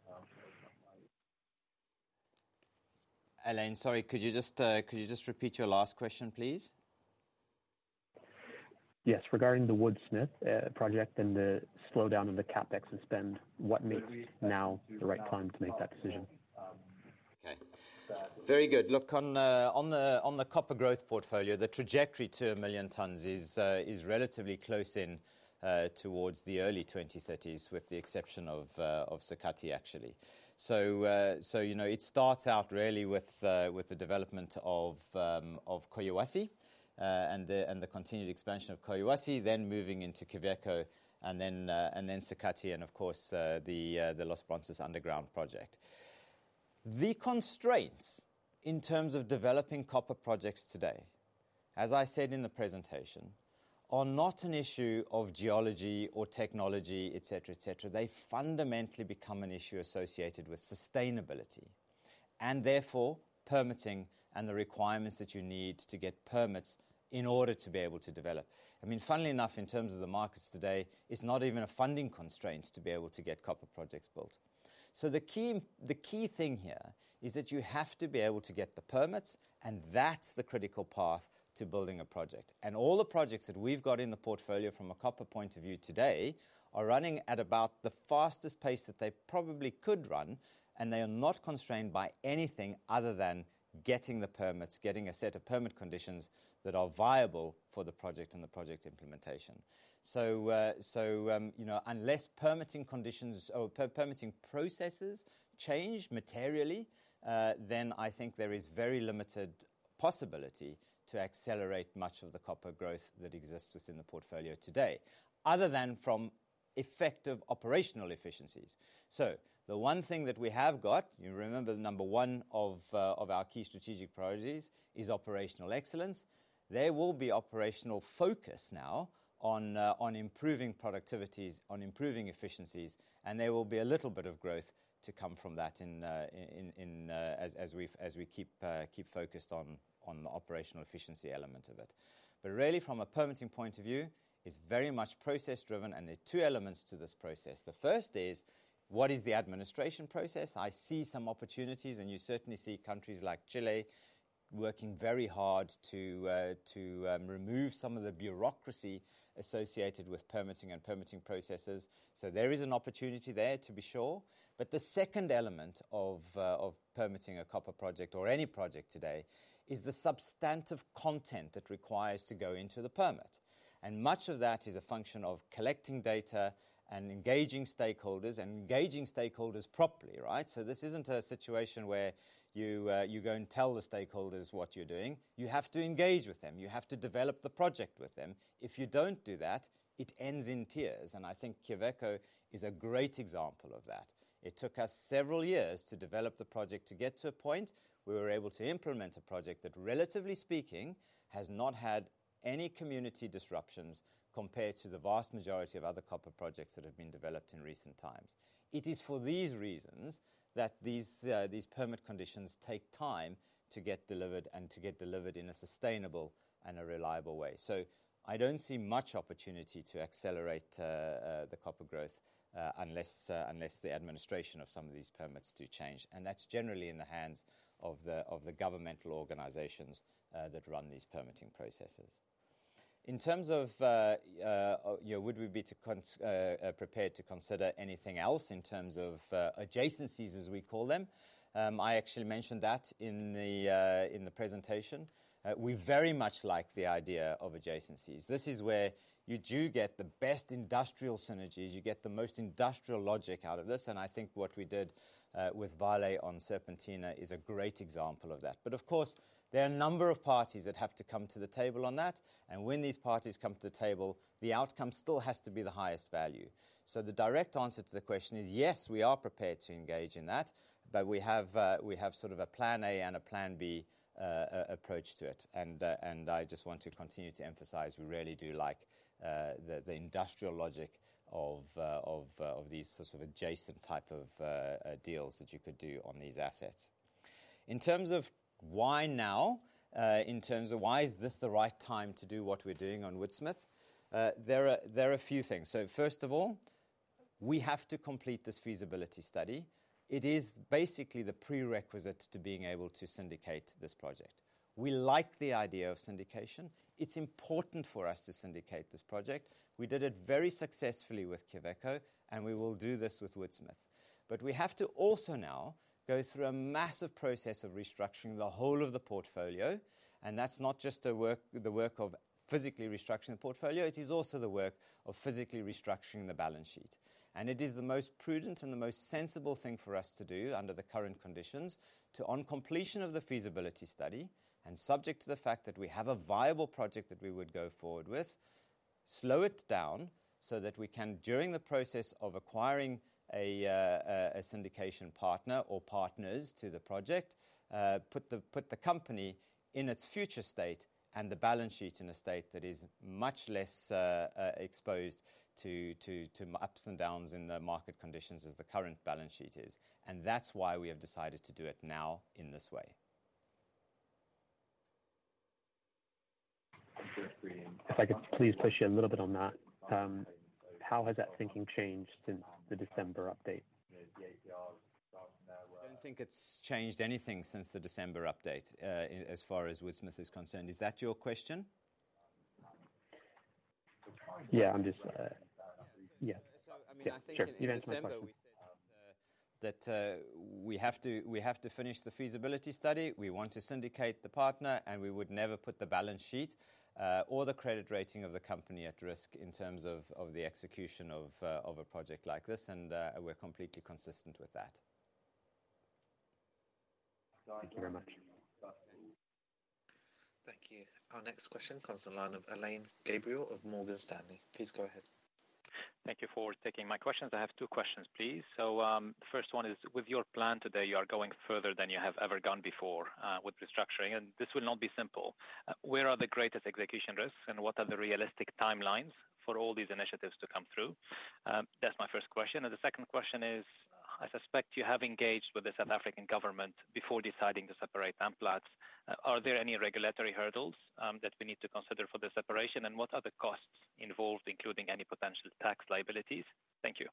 S1: Alan, sorry, could you just, could you just repeat your last question, please?
S5: Yes. Regarding the Woodsmith project and the slowdown of the CapEx and spend, what makes now the right time to make that decision?
S1: Okay, very good. Look, on the copper growth portfolio, the trajectory to 1 million tons is relatively close in towards the early 2030s, with the exception of Sakatti, actually. So, you know, it starts out really with the development of Collahuasi, and the continued expansion of Collahuasi, then moving into Quellaveco and then Sakatti and of course, the Los Bronces underground project. The constraints in terms of developing copper projects today, as I said in the presentation, are not an issue of geology or technology, et cetera, et cetera. They fundamentally become an issue associated with sustainability and therefore permitting and the requirements that you need to get permits in order to be able to develop. I mean, funnily enough, in terms of the markets today, it's not even a funding constraint to be able to get copper projects built. So the key, the key thing here is that you have to be able to get the permits, and that's the critical path to building a project. And all the projects that we've got in the portfolio from a copper point of view today, are running at about the fastest pace that they probably could run, and they are not constrained by anything other than getting the permits, getting a set of permit conditions that are viable for the project and the project implementation. So, you know, unless permitting conditions or permitting processes change materially, then I think there is very limited possibility to accelerate much of the copper growth that exists within the portfolio today, other than from effective operational efficiencies. So the one thing that we have got, you remember the number one of our key strategic priorities is operational excellence. There will be operational focus now on improving productivities, on improving efficiencies, and there will be a little bit of growth to come from that as we keep focused on the operational efficiency element of it. But really from a permitting point of view, it's very much process driven, and there are two elements to this process. The first is: What is the administration process? I see some opportunities, and you certainly see countries like Chile working very hard to remove some of the bureaucracy associated with permitting and permitting processes. So there is an opportunity there, to be sure. But the second element of permitting a copper project or any project today is the substantive content that requires to go into the permit, and much of that is a function of collecting data and engaging stakeholders and engaging stakeholders properly, right? So this isn't a situation where you go and tell the stakeholders what you're doing. You have to engage with them. You have to develop the project with them. If you don't do that, it ends in tears, and I think Quellaveco is a great example of that. It took us several years to develop the project to get to a point we were able to implement a project that, relatively speaking, has not had any community disruptions compared to the vast majority of other copper projects that have been developed in recent times. It is for these reasons that these permit conditions take time to get delivered and to get delivered in a sustainable and a reliable way. So I don't see much opportunity to accelerate the copper growth unless the administration of some of these permits do change. That's generally in the hands of the governmental organizations that run these permitting processes. In terms of, you know, would we be prepared to consider anything else in terms of adjacencies, as we call them? I actually mentioned that in the, in the presentation. We very much like the idea of adjacencies. This is where you do get the best industrial synergies. You get the most industrial logic out of this, and I think what we did, with Vale on Serpentina is a great example of that. But of course, there are a number of parties that have to come to the table on that, and when these parties come to the table, the outcome still has to be the highest value. So the direct answer to the question is yes, we are prepared to engage in that, but we have, we have sort of a plan A and a plan B, approach to it. I just want to continue to emphasize, we really do like the industrial logic of these sorts of adjacent type of deals that you could do on these assets. In terms of why now, in terms of why is this the right time to do what we're doing on Woodsmith? There are a few things. So first of all, we have to complete this feasibility study. It is basically the prerequisite to being able to syndicate this project. We like the idea of syndication. It's important for us to syndicate this project. We did it very successfully with Quellaveco, and we will do this with Woodsmith. But we have to also now go through a massive process of restructuring the whole of the portfolio, and that's not just the work of physically restructuring the portfolio. It is also the work of physically restructuring the balance sheet, and it is the most prudent and the most sensible thing for us to do under the current conditions, to, on completion of the feasibility study, and subject to the fact that we have a viable project that we would go forward with, slow it down so that we can, during the process of acquiring a syndication partner or partners to the project, put the company in its future state and the balance sheet in a state that is much less exposed to ups and downs in the market conditions as the current balance sheet is. That's why we have decided to do it now in this way.
S5: If I could please push you a little bit on that. How has that thinking changed since the December update?
S1: I don't think it's changed anything since the December update, as far as Woodsmith is concerned. Is that your question?
S5: Yeah, I'm just. Yeah.
S1: So, I mean, I think in December we said that we have to finish the feasibility study. We want to syndicate the partner, and we would never put the balance sheet or the credit rating of the company at risk in terms of the execution of a project like this. And we're completely consistent with that.
S5: Thank you very much.
S3: Thank you. Our next question comes on the line of Alain Gabriel of Morgan Stanley. Please go ahead.
S6: Thank you for taking my questions. I have two questions, please. So, first one is, with your plan today, you are going further than you have ever gone before, with restructuring, and this will not be simple. Where are the greatest execution risks, and what are the realistic timelines for all these initiatives to come through? That's my first question. And the second question is, I suspect you have engaged with the South African government before deciding to separate Amplats. Are there any regulatory hurdles that we need to consider for the separation? And what are the costs involved, including any potential tax liabilities? Thank you.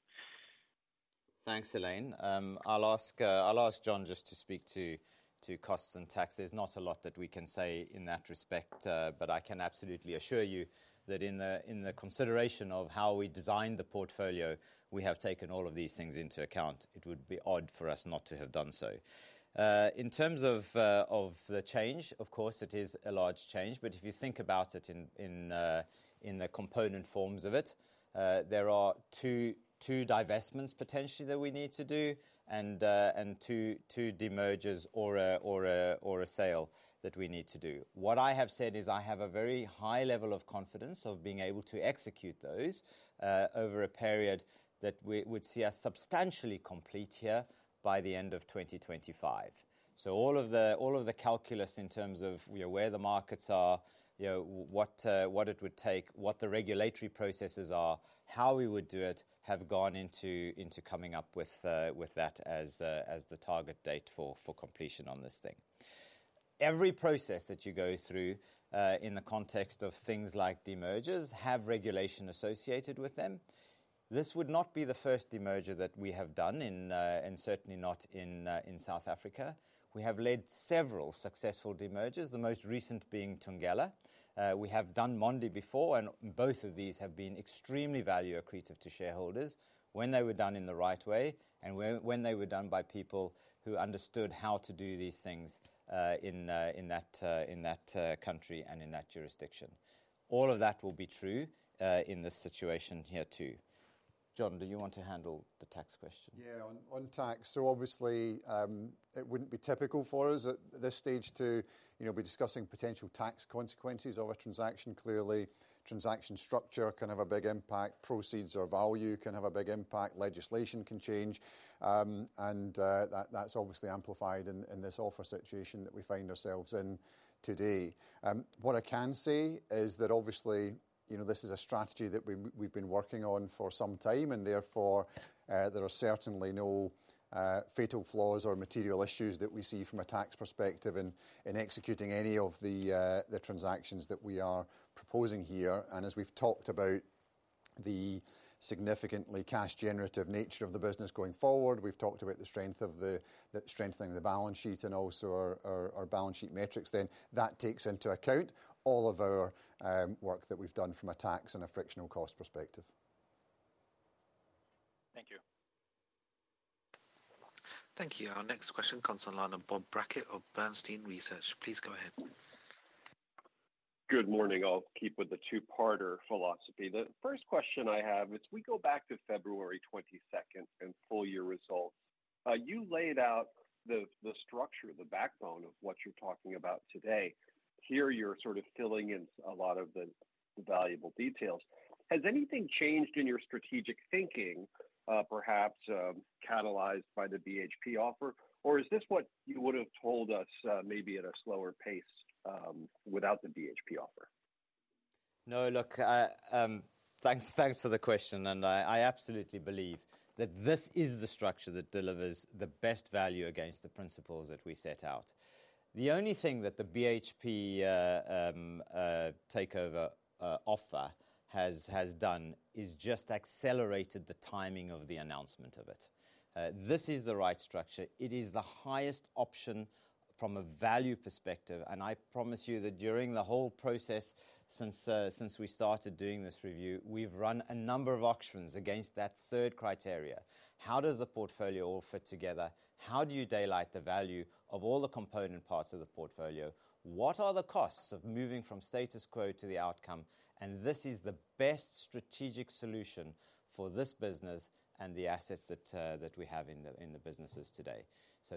S1: Thanks, Alain. I'll ask, I'll ask John just to speak to, to costs and taxes. Not a lot that we can say in that respect, but I can absolutely assure you that in the, in the consideration of how we design the portfolio, we have taken all of these things into account. It would be odd for us not to have done so. In terms of, of the change, of course, it is a large change, but if you think about it in, in, in the component forms of it, there are two, two divestments potentially that we need to do, and, and two, two demergers or a, or a, or a sale that we need to do. What I have said is I have a very high level of confidence of being able to execute those, over a period that we would see as substantially complete here by the end of 2025. So all of the, all of the calculus in terms of, you know, where the markets are, you know, what, what it would take, what the regulatory processes are, how we would do it, have gone into, into coming up with, with that as, as the target date for, for completion on this thing. Every process that you go through, in the context of things like demergers, have regulation associated with them. This would not be the first demerger that we have done in, and certainly not in, in South Africa. We have led several successful demergers, the most recent being Thungela. We have done Mondi before, and both of these have been extremely value accretive to shareholders when they were done in the right way and when they were done by people who understood how to do these things, in that country and in that jurisdiction. All of that will be true, in this situation here too. John, do you want to handle the tax question?
S2: Yeah. On tax. So obviously, it wouldn't be typical for us at this stage to, you know, be discussing potential tax consequences of a transaction. Clearly, transaction structure can have a big impact, proceeds or value can have a big impact, legislation can change. And that's obviously amplified in this offer situation that we find ourselves in today. What I can say is that obviously, you know, this is a strategy that we've been working on for some time, and therefore, there are certainly no fatal flaws or material issues that we see from a tax perspective in executing any of the transactions that we are proposing here. As we've talked about the significantly cash generative nature of the business going forward, we've talked about the strengthening of the balance sheet and also our, our, our balance sheet metrics, then that takes into account all of our work that we've done from a tax and a frictional cost perspective.
S6: Thank you.
S3: Thank you. Our next question comes on line of Bob Brackett of Bernstein Research. Please go ahead.
S7: Good morning. I'll keep with the two-parter philosophy. The first question I have is, we go back to February 22nd and full year results. You laid out the, the structure, the backbone of what you're talking about today. Here, you're sort of filling in a lot of the valuable details. Has anything changed in your strategic thinking, perhaps, catalyzed by the BHP offer? Or is this what you would have told us, maybe at a slower pace, without the BHP offer?
S1: No, look, I. Thanks, thanks for the question, and I, I absolutely believe that this is the structure that delivers the best value against the principles that we set out. The only thing that the BHP takeover offer has, has done is just accelerated the timing of the announcement of it. This is the right structure. It is the highest option from a value perspective, and I promise you that during the whole process, since, since we started doing this review, we've run a number of auctions against that third criteria. How does the portfolio all fit together? How do you daylight the value of all the component parts of the portfolio? What are the costs of moving from status quo to the outcome? This is the best strategic solution for this business and the assets that we have in the businesses today.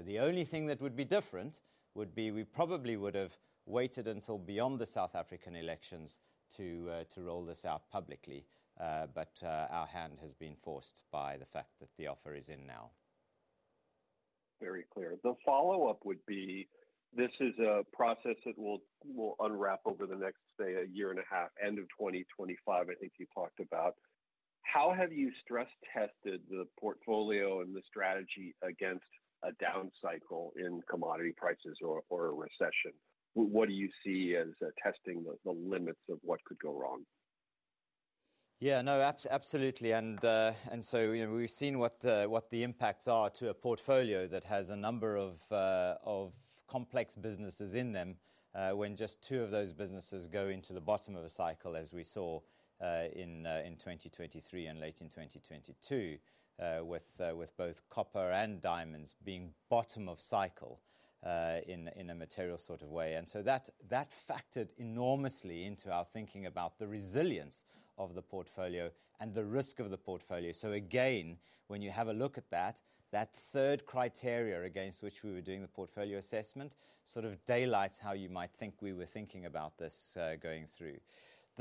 S1: The only thing that would be different would be we probably would have waited until beyond the South African elections to roll this out publicly. But our hand has been forced by the fact that the offer is in now.
S7: Very clear. The follow-up would be: This is a process that will unwrap over the next, say, a year and a half, end of 2025, I think you talked about. How have you stress tested the portfolio and the strategy against a down cycle in commodity prices or a recession? What do you see as testing the limits of what could go wrong?
S1: Yeah, no, absolutely. And so, you know, we've seen what the impacts are to a portfolio that has a number of complex businesses in them, when just two of those businesses go into the bottom of a cycle, as we saw in 2023 and late in 2022, with both copper and diamonds being bottom of cycle, in a material sort of way. And so that factored enormously into our thinking about the resilience of the portfolio and the risk of the portfolio. So again, when you have a look at that third criteria against which we were doing the portfolio assessment, sort of daylights how you might think we were thinking about this, going through.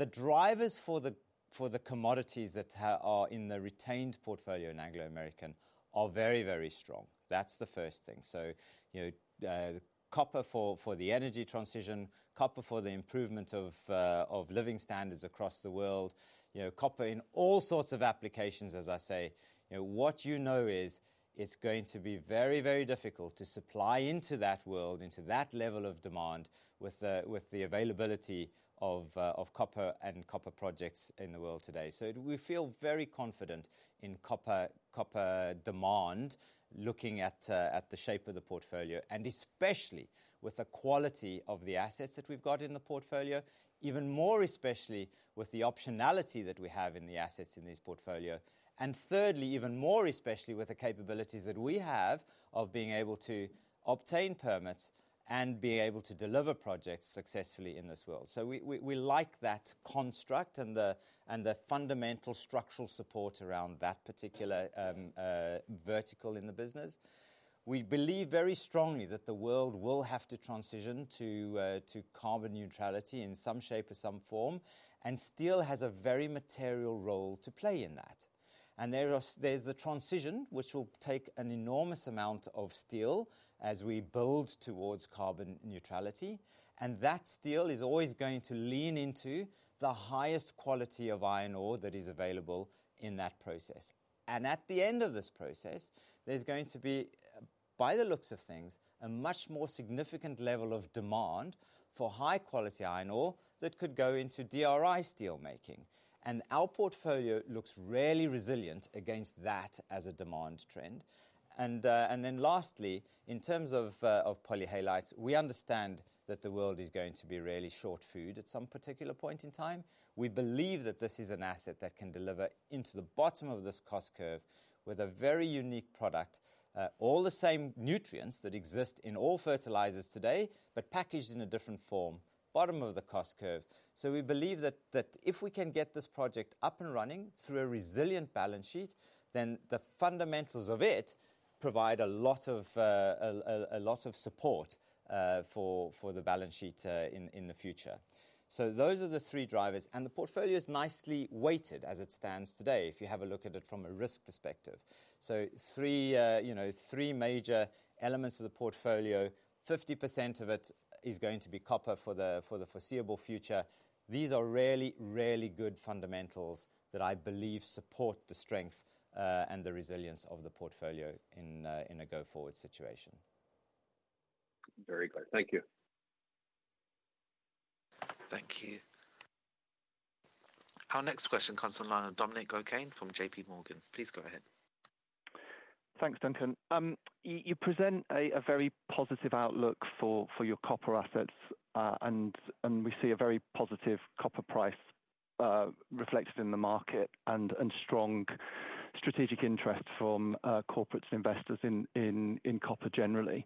S1: The drivers for the commodities that are in the retained portfolio in Anglo American are very, very strong. That's the first thing. So, you know, copper for the energy transition, copper for the improvement of living standards across the world, you know, copper in all sorts of applications, as I say. You know, what you know is, it's going to be very, very difficult to supply into that world, into that level of demand with the availability of copper and copper projects in the world today. So we feel very confident in copper, copper demand, looking at the shape of the portfolio, and especially with the quality of the assets that we've got in the portfolio, even more especially with the optionality that we have in the assets in this portfolio. And thirdly, even more especially with the capabilities that we have of being able to obtain permits and being able to deliver projects successfully in this world. So we like that construct and the fundamental structural support around that particular vertical in the business. We believe very strongly that the world will have to transition to carbon neutrality in some shape or some form, and steel has a very material role to play in that. And there's a transition which will take an enormous amount of steel as we build towards carbon neutrality, and that steel is always going to lean into the highest quality of iron ore that is available in that process. And at the end of this process, there's going to be, by the looks of things, a much more significant level of demand for high-quality iron ore that could go into DRI steelmaking. And our portfolio looks really resilient against that as a demand trend. And, and then lastly, in terms of, of polyhalite, we understand that the world is going to be really short food at some particular point in time. We believe that this is an asset that can deliver into the bottom of this cost curve with a very unique product. All the same nutrients that exist in all fertilizers today, but packaged in a different form, bottom of the cost curve. So we believe that if we can get this project up and running through a resilient balance sheet, then the fundamentals of it provide a lot of a lot of support for the balance sheet in the future. So those are the three drivers, and the portfolio is nicely weighted as it stands today, if you have a look at it from a risk perspective. So three, you know, three major elements of the portfolio, 50% of it is going to be copper for the foreseeable future. These are really, really good fundamentals that I believe support the strength and the resilience of the portfolio in a go-forward situation.
S7: Very clear. Thank you.
S3: Thank you. Our next question comes from line of Dominic O'Kane from J.P. Morgan. Please go ahead.
S8: Thanks, Duncan. You present a very positive outlook for your copper assets, and we see a very positive copper price reflected in the market and strong strategic interest from corporate investors in copper generally.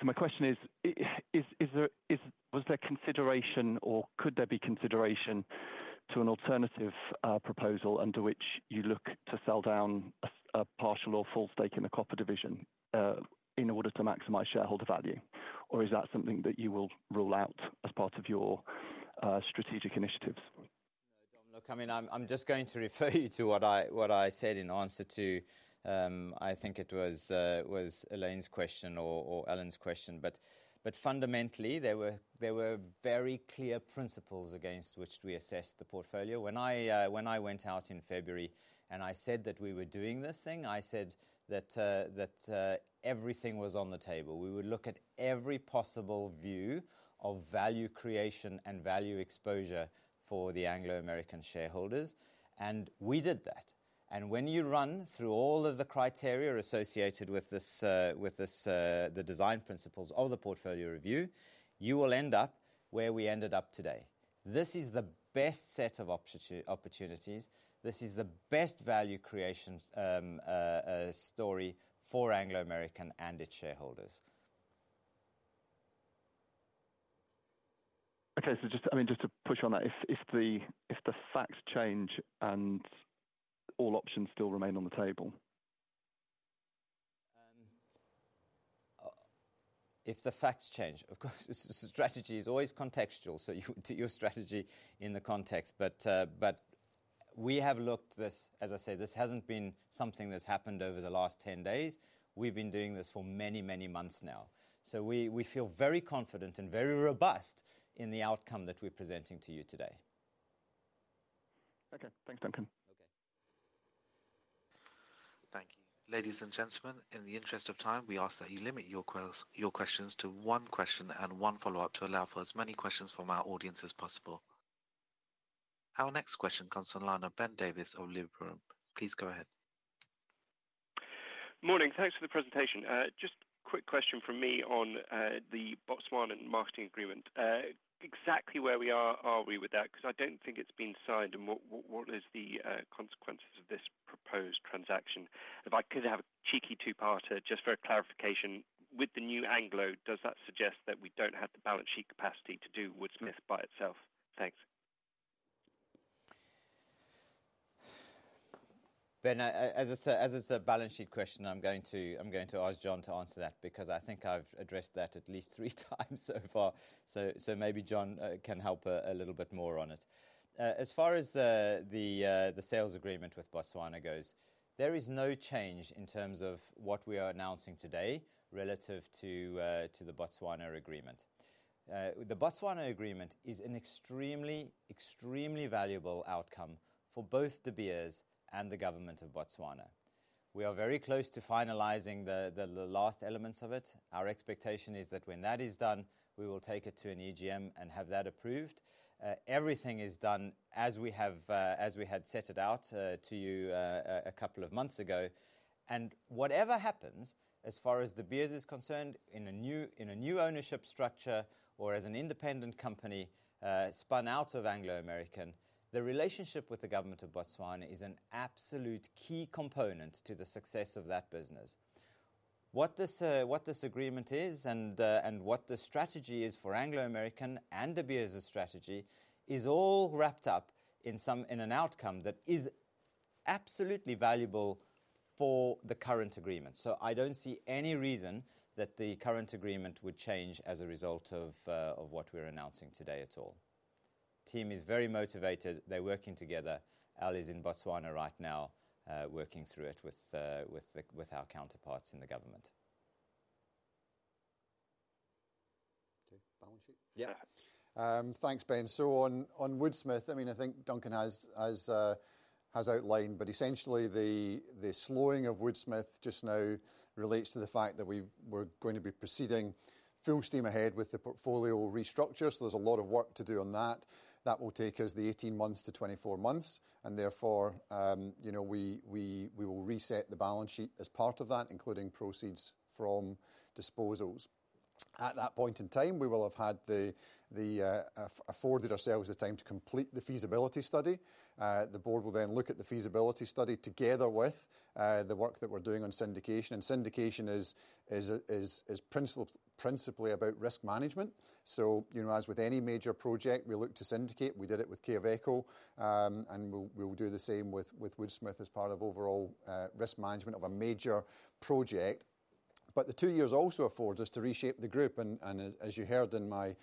S8: So my question is, is there consideration or could there be consideration to an alternative proposal under which you look to sell down a partial or full stake in the copper division in order to maximize shareholder value? Or is that something that you will rule out as part of your strategic initiatives?
S1: Look, I mean, I'm just going to refer you to what I said in answer to, I think it was Alain's question or Alan's question. But fundamentally, there were very clear principles against which we assessed the portfolio. When I went out in February, and I said that we were doing this thing, I said that everything was on the table. We would look at every possible view of value creation and value exposure for the Anglo American shareholders, and we did that. And when you run through all of the criteria associated with this, with this, the design principles of the portfolio review, you will end up where we ended up today. This is the best set of opportunities. This is the best value creation story for Anglo American and its shareholders.
S8: Okay, so just, I mean, just to push on that, if the facts change and all options still remain on the table?
S1: If the facts change, of course, strategy is always contextual, so you do your strategy in the context. But, but we have looked this, as I said, this hasn't been something that's happened over the last 10 days. We've been doing this for many, many months now. So we, we feel very confident and very robust in the outcome that we're presenting to you today.
S8: Okay. Thanks, Duncan.
S1: Okay.
S3: Thank you. Ladies and gentlemen, in the interest of time, we ask that you limit your questions to one question and one follow-up to allow for as many questions from our audience as possible. Our next question comes on the line of Ben Davis of Liberum. Please go ahead.
S9: Morning. Thanks for the presentation. Just a quick question from me on the Botswana marketing agreement. Exactly where we are, are we with that? 'Cause I don't think it's been signed, and what, what, what is the consequences of this proposed transaction? If I could have a cheeky two-parter, just for clarification, with the new Anglo, does that suggest that we don't have the balance sheet capacity to do Woodsmith by itself? Thanks.
S1: Ben, as it's a balance sheet question, I'm going to ask John to answer that because I think I've addressed that at least three times so far. So maybe John can help a little bit more on it. As far as the sales agreement with Botswana goes, there is no change in terms of what we are announcing today relative to the Botswana agreement. The Botswana agreement is an extremely valuable outcome for both De Beers and the government of Botswana. We are very close to finalizing the last elements of it. Our expectation is that when that is done, we will take it to an EGM and have that approved. Everything is done as we have, as we had set it out to you a couple of months ago. Whatever happens, as far as De Beers is concerned, in a new ownership structure or as an independent company spun out of Anglo American, the relationship with the government of Botswana is an absolute key component to the success of that business. What this agreement is and what the strategy is for Anglo American and De Beers' strategy is all wrapped up in an outcome that is absolutely valuable for the current agreement. So I don't see any reason that the current agreement would change as a result of what we're announcing today at all. The team is very motivated. They're working together. Al's in Botswana right now, working through it with our counterparts in the government.
S2: Okay, balance sheet?
S1: Yeah.
S2: Thanks, Ben. So on Woodsmith, I mean, I think Duncan has outlined, but essentially, the slowing of Woodsmith just now relates to the fact that we're going to be proceeding full steam ahead with the portfolio restructure, so there's a lot of work to do on that. That will take us 18-24 months, and therefore, you know, we will reset the balance sheet as part of that, including proceeds from disposals. At that point in time, we will have afforded ourselves the time to complete the feasibility study. The board will then look at the feasibility study, together with the work that we're doing on syndication. And syndication is principally about risk management. So, you know, as with any major project, we look to syndicate. We did it with Quellaveco, and we'll do the same with Woodsmith as part of overall risk management of a major project. But the two years also affords us to reshape the group, and as you heard in my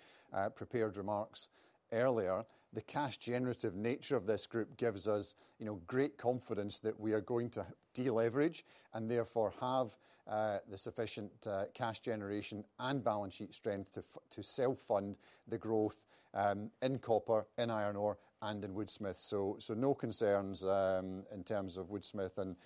S2: prepared remarks earlier, the cash generative nature of this group gives us, you know, great confidence that we are going to de-leverage and therefore have the sufficient cash generation and balance sheet strength to self-fund the growth in copper and iron ore and in Woodsmith. So no concerns in terms of Woodsmith and,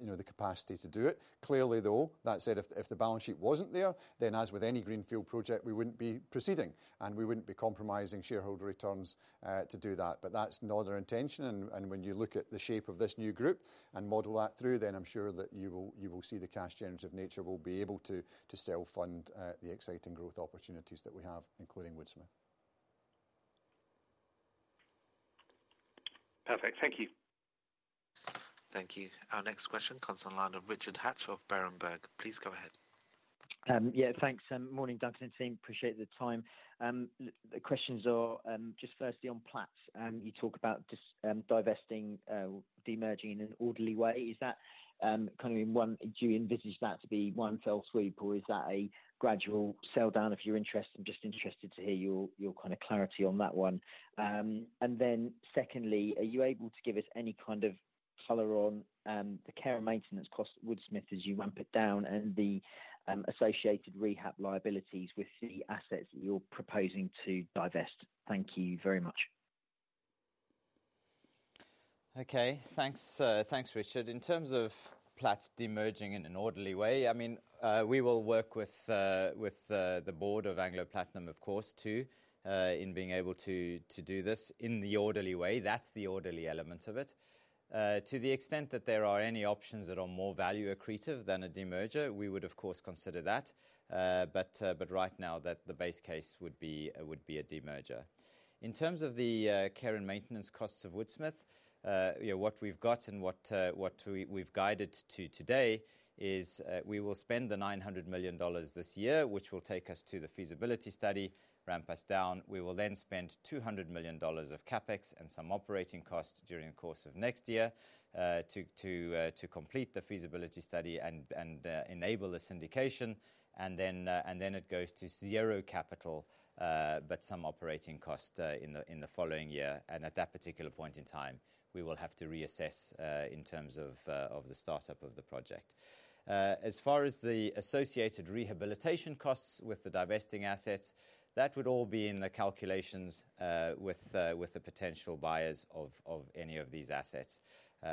S2: you know, the capacity to do it. Clearly, though, that said, if the balance sheet wasn't there, then as with any greenfield project, we wouldn't be proceeding, and we wouldn't be compromising shareholder returns to do that. But that's not our intention, and when you look at the shape of this new group and model that through, then I'm sure that you will see the cash generative nature will be able to self-fund the exciting growth opportunities that we have, including Woodsmith.
S9: Perfect. Thank you.
S3: Thank you. Our next question comes on the line of Richard Hatch of Berenberg. Please go ahead.
S10: Yeah, thanks. Morning, Duncan and team. Appreciate the time. The questions are just firstly on Platinum, you talk about divesting, demerging in an orderly way. Is that kind of in one. Do you envisage that to be one fell swoop, or is that a gradual sell-down, if you're interested? I'm just interested to hear your kind of clarity on that one. And then secondly, are you able to give us any kind of color on the care and maintenance cost of Woodsmith as you ramp it down and the associated rehab liabilities with the assets that you're proposing to divest? Thank you very much.
S1: Okay. Thanks, thanks, Richard. In terms of Platinum demerging in an orderly way, I mean, we will work with, with, the board of Anglo Platinum, of course, too, in being able to, to do this in the orderly way. That's the orderly element of it. To the extent that there are any options that are more value accretive than a demerger, we would, of course, consider that, but, but right now, that the base case would be, would be a demerger. In terms of the care and maintenance costs of Woodsmith, you know, what we've got and what we've guided to today is, we will spend the $900 million this year, which will take us to the feasibility study, ramp us down. We will then spend $200 million of CapEx and some operating costs during the course of next year to complete the feasibility study and enable the syndication. And then it goes to zero capital but some operating cost in the following year, and at that particular point in time, we will have to reassess in terms of the startup of the project. As far as the associated rehabilitation costs with the divesting assets, that would all be in the calculations with the potential buyers of any of these assets.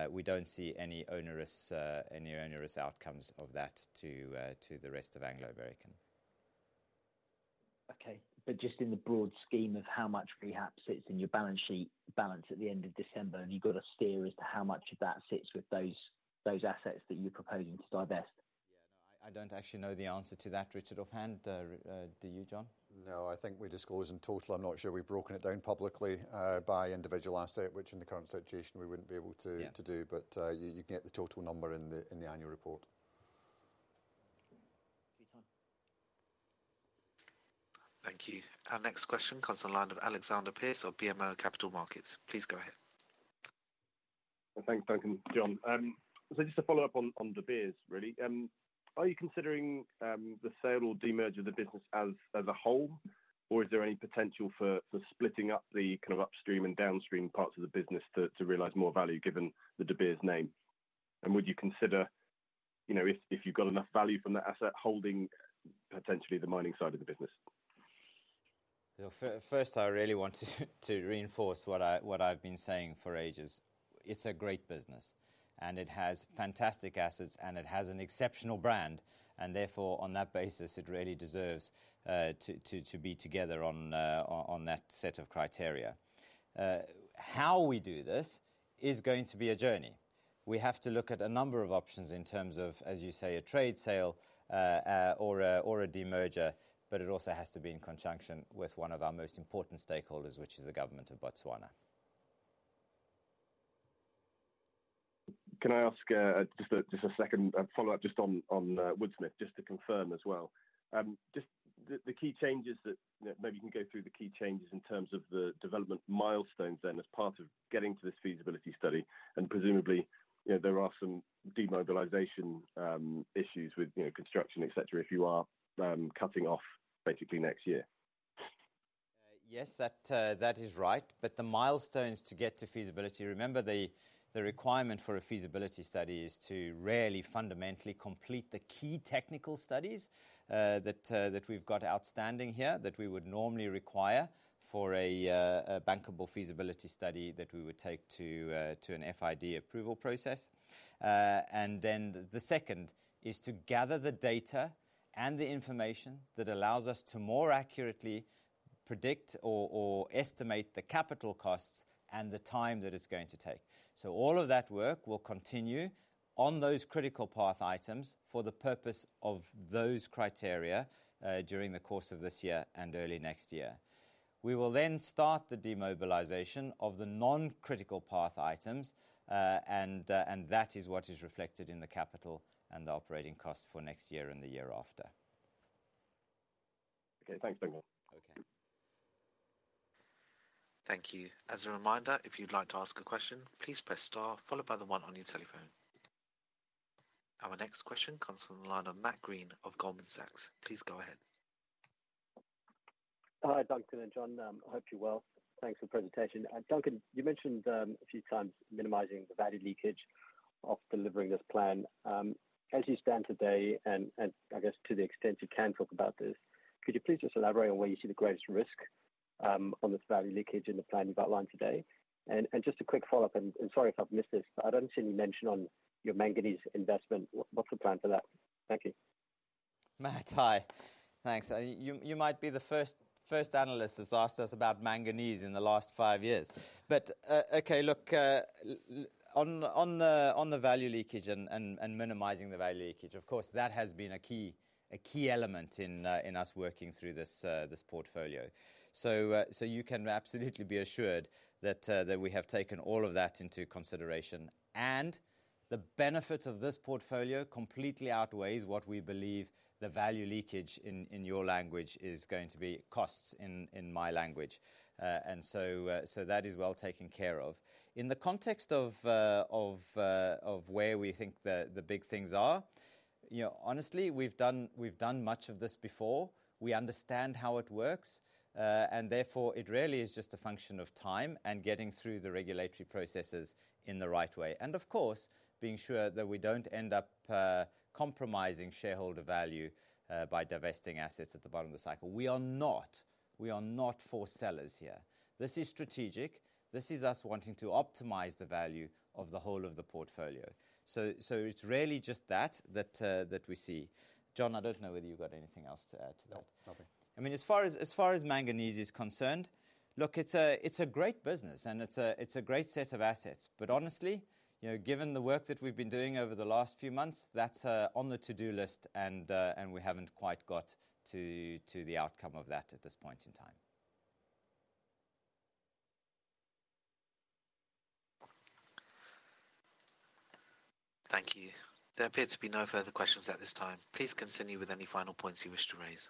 S1: We don't see any onerous outcomes of that to the rest of Anglo American.
S10: Okay, but just in the broad scheme of how much debt sits in your balance sheet, balance at the end of December, and you've got a steer as to how much of that sits with those, those assets that you're proposing to divest?
S1: Yeah. No, I, I don't actually know the answer to that, Richard, offhand. Do you, John?
S2: No, I think we disclose in total. I'm not sure we've broken it down publicly, by individual asset, which in the current situation, we wouldn't be able to-
S1: Yeah
S2: To do. But, you, you can get the total number in the, in the annual report.
S10: Thank you, John.
S3: Thank you. Our next question comes on the line of Alexander Pearce of BMO Capital Markets. Please go ahead.
S11: Thanks, Duncan, John. So just to follow up on De Beers, really, are you considering the sale or demerger of the business as a whole? Or is there any potential for splitting up the kind of upstream and downstream parts of the business to realize more value, given the De Beers name? And would you consider, you know, if you've got enough value from that asset, holding potentially the mining side of the business?
S1: Well, first, I really want to reinforce what I've been saying for ages. It's a great business, and it has fantastic assets, and it has an exceptional brand, and therefore, on that basis, it really deserves to be together on that set of criteria. How we do this is going to be a journey. We have to look at a number of options in terms of, as you say, a trade sale, or a demerger, but it also has to be in conjunction with one of our most important stakeholders, which is the government of Botswana.
S11: Can I ask, just a second follow-up, just on Woodsmith, just to confirm as well? Just the key changes that. Maybe you can go through the key changes in terms of the development milestones then, as part of getting to this feasibility study. And presumably, you know, there are some demobilization issues with, you know, construction, et cetera, if you are cutting off basically next year.
S1: Yes, that is right. But the milestones to get to feasibility, remember, the requirement for a feasibility study is to really fundamentally complete the key technical studies, that we've got outstanding here, that we would normally require for a bankable feasibility study that we would take to an FID approval process. And then the second is to gather the data and the information that allows us to more accurately predict or estimate the capital costs and the time that it's going to take. So all of that work will continue on those critical path items for the purpose of those criteria, during the course of this year and early next year. We will then start the demobilization of the non-critical path items, and that is what is reflected in the capital and the operating costs for next year and the year after.
S11: Okay. Thanks very much.
S1: Okay.
S3: Thank you. As a reminder, if you'd like to ask a question, please press star followed by the one on your telephone. Our next question comes from the line of Matt Greene of Goldman Sachs. Please go ahead.
S12: Hi, Duncan and John. I hope you're well. Thanks for the presentation. Duncan, you mentioned a few times minimizing the value leakage of delivering this plan. As you stand today, and I guess to the extent you can talk about this, could you please just elaborate on where you see the greatest risk on this value leakage in the plan you've outlined today? And just a quick follow-up, and sorry if I've missed this, but I don't see any mention on your manganese investment. What, what's the plan for that? Thank you.
S1: Matt, hi. Thanks. You might be the first analyst that's asked us about manganese in the last five years. But okay, look, on the value leakage and minimizing the value leakage, of course, that has been a key element in us working through this portfolio. So, you can absolutely be assured that we have taken all of that into consideration, and the benefit of this portfolio completely outweighs what we believe the value leakage, in your language, is going to be costs, in my language. And so, that is well taken care of. In the context of where we think the big things are, you know, honestly, we've done much of this before. We understand how it works, and therefore, it really is just a function of time and getting through the regulatory processes in the right way. And of course, being sure that we don't end up, compromising shareholder value, by divesting assets at the bottom of the cycle. We are not, we are not for sellers here. This is strategic. This is us wanting to optimize the value of the whole of the portfolio. So, so it's really just that, that, that we see. John, I don't know whether you've got anything else to add to that.
S2: Nothing.
S1: I mean, as far as manganese is concerned, look, it's a great business, and it's a great set of assets. But honestly, you know, given the work that we've been doing over the last few months, that's on the to-do list, and we haven't quite got to the outcome of that at this point in time.
S3: Thank you. There appear to be no further questions at this time. Please continue with any final points you wish to raise.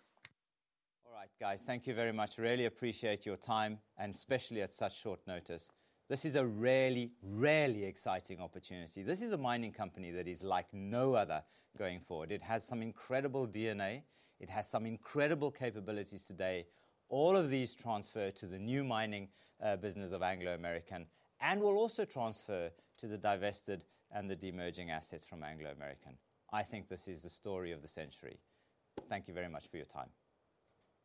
S1: All right, guys. Thank you very much. Really appreciate your time, and especially at such short notice. This is a really, really exciting opportunity. This is a mining company that is like no other going forward. It has some incredible DNA. It has some incredible capabilities today. All of these transfer to the new mining business of Anglo American, and will also transfer to the divested and the demerging assets from Anglo American. I think this is the story of the century. Thank you very much for your time.